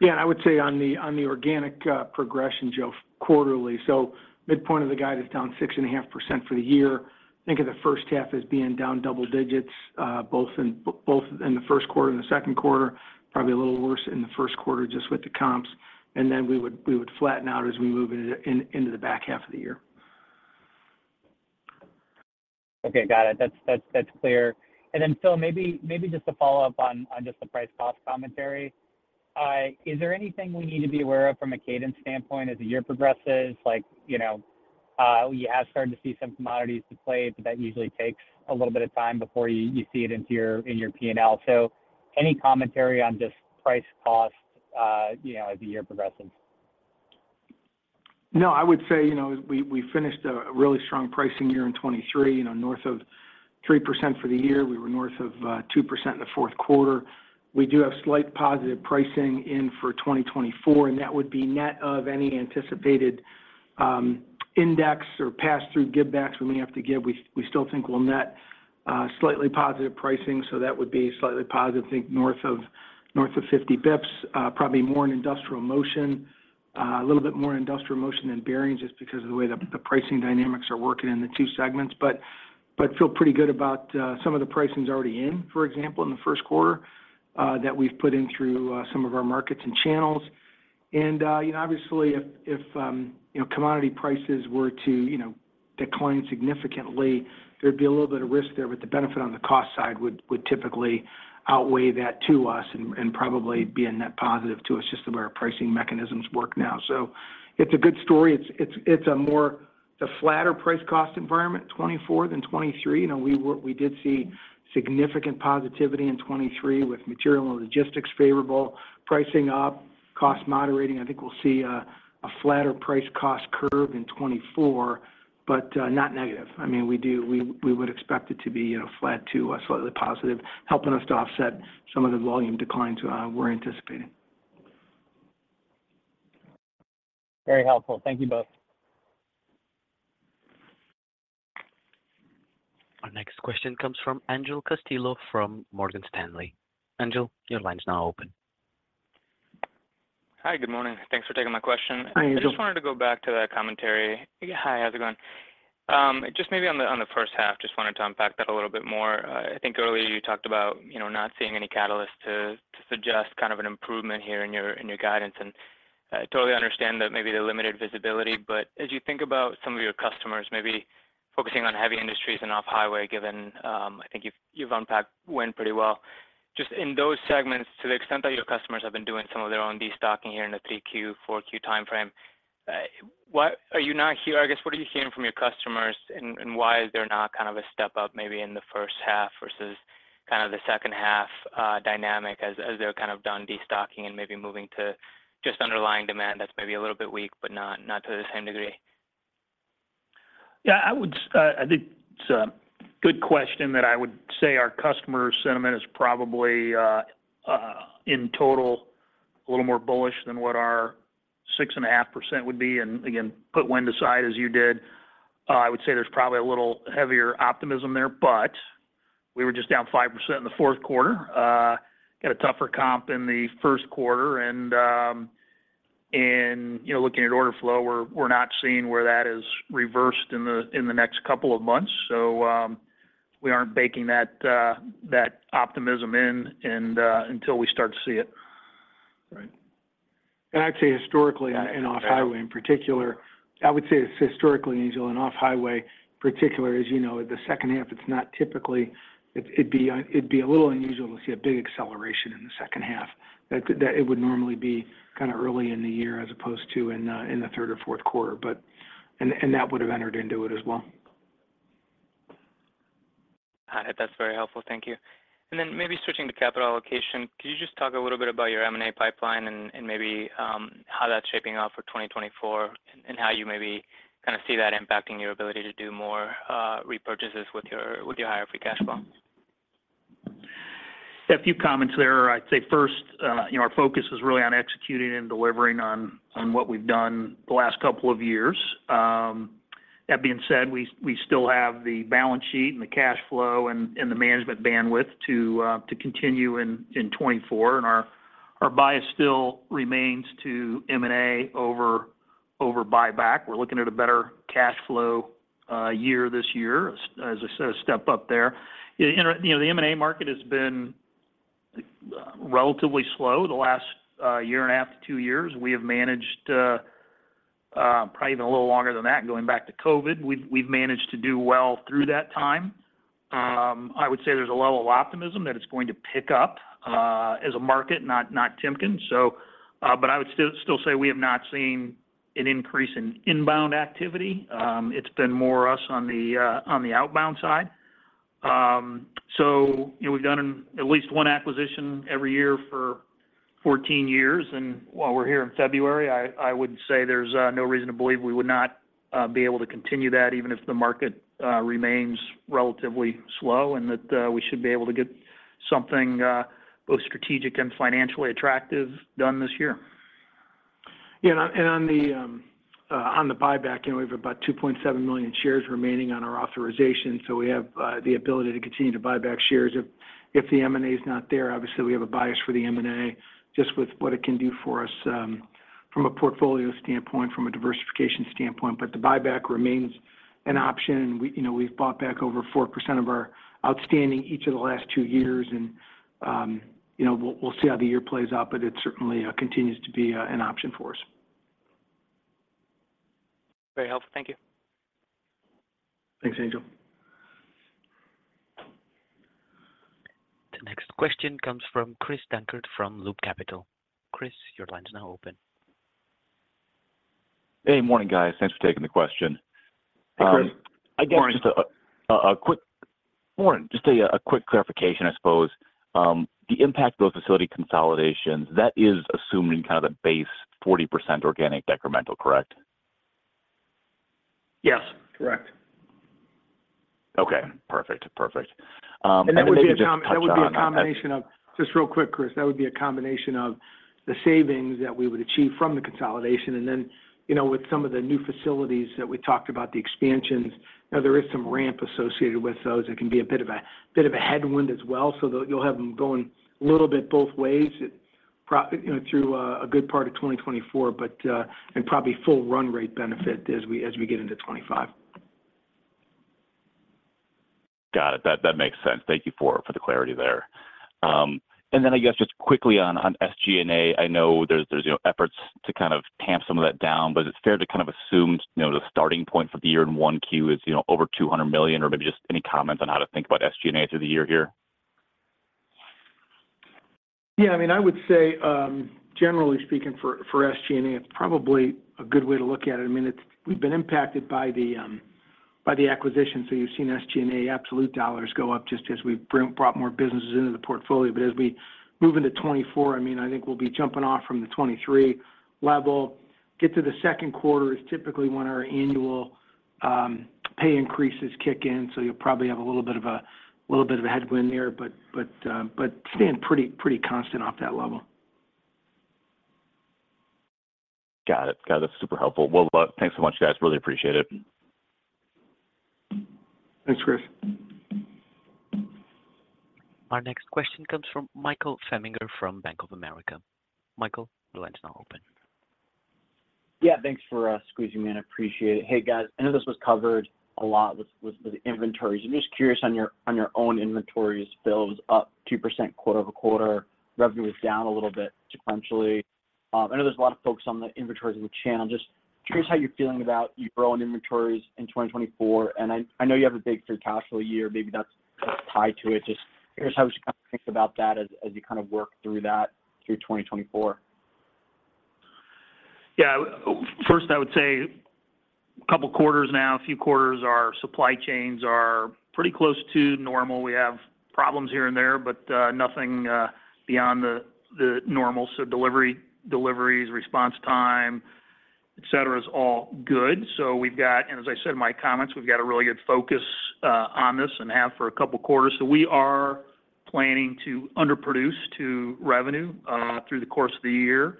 Yeah, and I would say on the, on the organic progression, Joe, quarterly. So midpoint of the guide is down 6.5% for the year. Think of the first half as being down double digits, both in the Q1 and the Q2. Probably a little worse in the Q1 just with the comps. And then we would, we would flatten out as we move into, in, into the back half of the year. Okay, got it. That's clear. Then, Phil, maybe just to follow up on just the price cost commentary. Is there anything we need to be aware of from a cadence standpoint as the year progresses? Like, you know, we have started to see some commodities play, but that usually takes a little bit of time before you see it in your P&L. So any commentary on just price cost, you know, as the year progresses? No, I would say, you know, we finished a really strong pricing year in 2023, you know, north of 3% for the year. We were north of 2% in the Q4. We do have slight positive pricing in for 2024, and that would be net of any anticipated index or pass-through givebacks we may have to give. We still think we'll net slightly positive pricing, so that would be slightly positive, think north of 50 basis points, probably more in Industrial Motion. A little bit more in Industrial Motion than Bearings, just because of the way the pricing dynamics are working in the two segments. But, but feel pretty good about some of the pricing is already in, for example, in the Q1, that we've put in through some of our markets and channels. And, you know, obviously, if, if, you know, commodity prices were to, you know, decline significantly, there'd be a little bit of risk there, but the benefit on the cost side would, would typically outweigh that to us and, and probably be a net positive to us, just the way our pricing mechanisms work now. So it's a good story. It's, it's, it's a more - it's a flatter price cost environment, 2024 than 2023. You know, we were - we did see significant positivity in 2023 with material and logistics favorable, pricing up, cost moderating. I think we'll see,... a flatter price cost curve in 2024, but not negative. I mean, we do, we, we would expect it to be, you know, flat to slightly positive, helping us to offset some of the volume declines we're anticipating. Very helpful. Thank you both. Our next question comes from Angel Castillo from Morgan Stanley. Angel, your line's now open. Hi, good morning. Thanks for taking my question. Hi, Angel. I just wanted to go back to that commentary. Yeah. Hi, how's it going? Just maybe on the, on the first half, just wanted to unpack that a little bit more. I think earlier you talked about, you know, not seeing any catalyst to, to suggest kind of an improvement here in your, in your guidance. And I totally understand that maybe the limited visibility, but as you think about some of your customers, maybe focusing on heavy industries and off-highway, given, I think you've, you've unpacked wind pretty well. Just in those segments, to the extent that your customers have been doing some of their own destocking here in the 3Q, 4Q timeframe, what are you hearing from your customers, and why is there not kind of a step up maybe in the first half versus kind of the second half dynamic as they're kind of done destocking and maybe moving to just underlying demand that's maybe a little bit weak, but not to the same degree? Yeah, I would say our customer sentiment is probably, in total, a little more bullish than what our 6.5% would be. And again, put wind aside as you did, I would say there's probably a little heavier optimism there, but we were just down 5% in the Q4. Got a tougher comp in the Q1, and, you know, looking at order flow, we're not seeing where that is reversed in the next couple of months. So, we aren't baking that optimism in, until we start to see it. Right. And I'd say historically, in off-highway, in particular, I would say it's historically unusual, in off-highway, in particular, as you know, the second half, it's not typically. It'd be a little unusual to see a big acceleration in the second half. That it would normally be kind of early in the year as opposed to in the third or Q4, but... And that would have entered into it as well. Got it. That's very helpful. Thank you. And then maybe switching to capital allocation, could you just talk a little bit about your M&A pipeline and, and maybe, how that's shaping up for 2024, and how you maybe kind of see that impacting your ability to do more, repurchases with your, with your higher free cash flow? A few comments there. I'd say first, you know, our focus is really on executing and delivering on, on what we've done the last couple of years. That being said, we, we still have the balance sheet and the cash flow and, and the management bandwidth to, to continue in, in 2024, and our, our bias still remains to M&A over, over buyback. We're looking at a better cash flow, year this year, as, as I said, a step up there. You know, and, you know, the M&A market has been, relatively slow the last, year and a half to two years. We have managed, probably even a little longer than that, going back to COVID. We've, we've managed to do well through that time. I would say there's a level of optimism that it's going to pick up as a market, not Timken. So, but I would still, still say we have not seen an increase in inbound activity. It's been more us on the on the outbound side. So, you know, we've done at least one acquisition every year for 14 years, and while we're here in February, I would say there's no reason to believe we would not be able to continue that, even if the market remains relatively slow, and that we should be able to get something both strategic and financially attractive done this year. Yeah, and on the buyback, you know, we have about 2.7 million shares remaining on our authorization, so we have the ability to continue to buy back shares if the M&A is not there. Obviously, we have a bias for the M&A, just with what it can do for us, from a portfolio standpoint, from a diversification standpoint, but the buyback remains an option. We, you know, we've bought back over 4% of our outstanding each of the last two years, and, you know, we'll see how the year plays out, but it certainly continues to be an option for us. Very helpful. Thank you. Thanks, Angel. The next question comes from Chris Dankert, from Loop Capital. Chris, your line is now open. Hey, morning, guys. Thanks for taking the question. Hey, Chris. Morning. I guess just a quick clarification, I suppose. The impact of those facility consolidations, that is assuming kind of the base 40% organic decremental, correct? Yes. Correct. Okay, perfect. Perfect, and maybe just touch on that- That would be a combination of the savings that we would achieve from the consolidation, and then, you know, with some of the new facilities that we talked about, the expansions, you know, there is some ramp associated with those. It can be a bit of a headwind as well, so you'll have them going a little bit both ways, you know, through a good part of 2024, but, and probably full run rate benefit as we get into 2025. Got it. That makes sense. Thank you for the clarity there. And then I guess just quickly on SG&A, I know there's efforts to kind of tamp some of that down, but is it fair to kind of assume the starting point for the year in 1Q is over $200 million, or maybe just any comments on how to think about SG&A through the year here? Yeah, I mean, I would say, generally speaking, for SG&A, it's probably a good way to look at it. I mean, it's—we've been impacted by the acquisition. So you've seen SG&A absolute dollars go up just as we've brought more businesses into the portfolio. But as we move into 2024, I mean, I think we'll be jumping off from the 2023 level. Get to the Q2 is typically when our annual pay increases kick in, so you'll probably have a little bit of a headwind there, but staying pretty constant off that level. Got it. Got it. That's super helpful. Well, look, thanks so much, guys. Really appreciate it. Thanks, Chris. Our next question comes from Michael Feniger from Bank of America. Michael, the line's now open. Yeah, thanks for squeezing me in. Appreciate it. Hey, guys. I know this was covered a lot with the inventories. I'm just curious on your own inventories, builds up 2% quarter-over-quarter, revenue is down a little bit sequentially. I know there's a lot of focus on the inventories in the channel. Just curious how you're feeling about you growing inventories in 2024. And I know you have a big free cash flow year. Maybe that's kind of tied to it. Just curious how we should kind of think about that as you kind of work through that through 2024. Yeah. First, I would say a couple of quarters now, a few quarters, our supply chains are pretty close to normal. We have problems here and there, but nothing beyond the normal. So delivery, deliveries, response time, et cetera, is all good. So we've got... And as I said in my comments, we've got a really good focus on this and have for a couple of quarters. So we are planning to underproduce to revenue through the course of the year,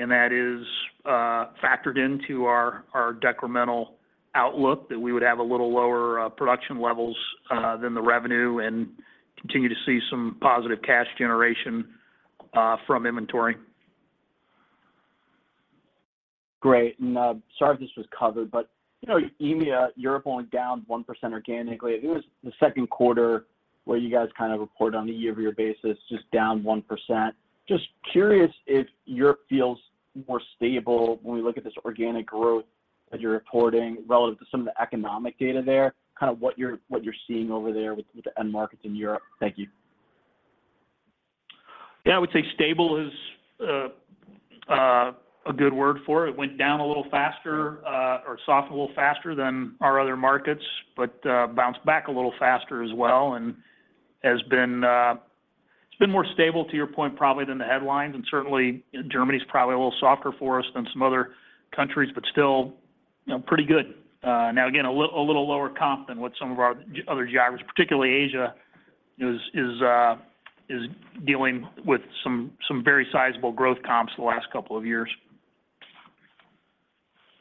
and that is factored into our decremental outlook, that we would have a little lower production levels than the revenue and continue to see some positive cash generation from inventory. Great. And, sorry if this was covered, but you know, EMEA, Europe went down 1% organically. It was the Q2 where you guys reported on the year-over-year basis, just down 1%. Just curious if Europe feels more stable when we look at this organic growth that you're reporting relative to some of the economic data there, kind of what you're, what you're seeing over there with, with the end markets in Europe. Thank you. Yeah, I would say stable is a good word for it. It went down a little faster or softer, a little faster than our other markets, but bounced back a little faster as well, and has been, it's been more stable, to your point, probably than the headlines. And certainly, Germany is probably a little softer for us than some other countries, but still, you know, pretty good. Now, again, a little lower comp than what some of our other geos, particularly Asia, is dealing with some very sizable growth comps the last couple of years.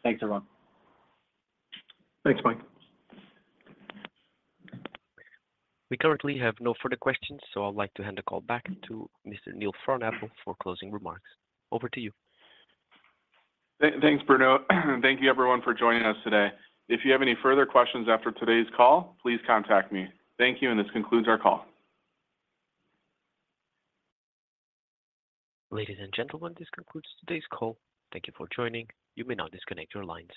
Thanks, everyone. Thanks, Mike. We currently have no further questions, so I'd like to hand the call back to Mr. Neil Frohnapple for closing remarks. Over to you. Thanks, Bruno, and thank you, everyone, for joining us today. If you have any further questions after today's call, please contact me. Thank you, and this concludes our call. Ladies and gentlemen, this concludes today's call. Thank you for joining. You may now disconnect your lines.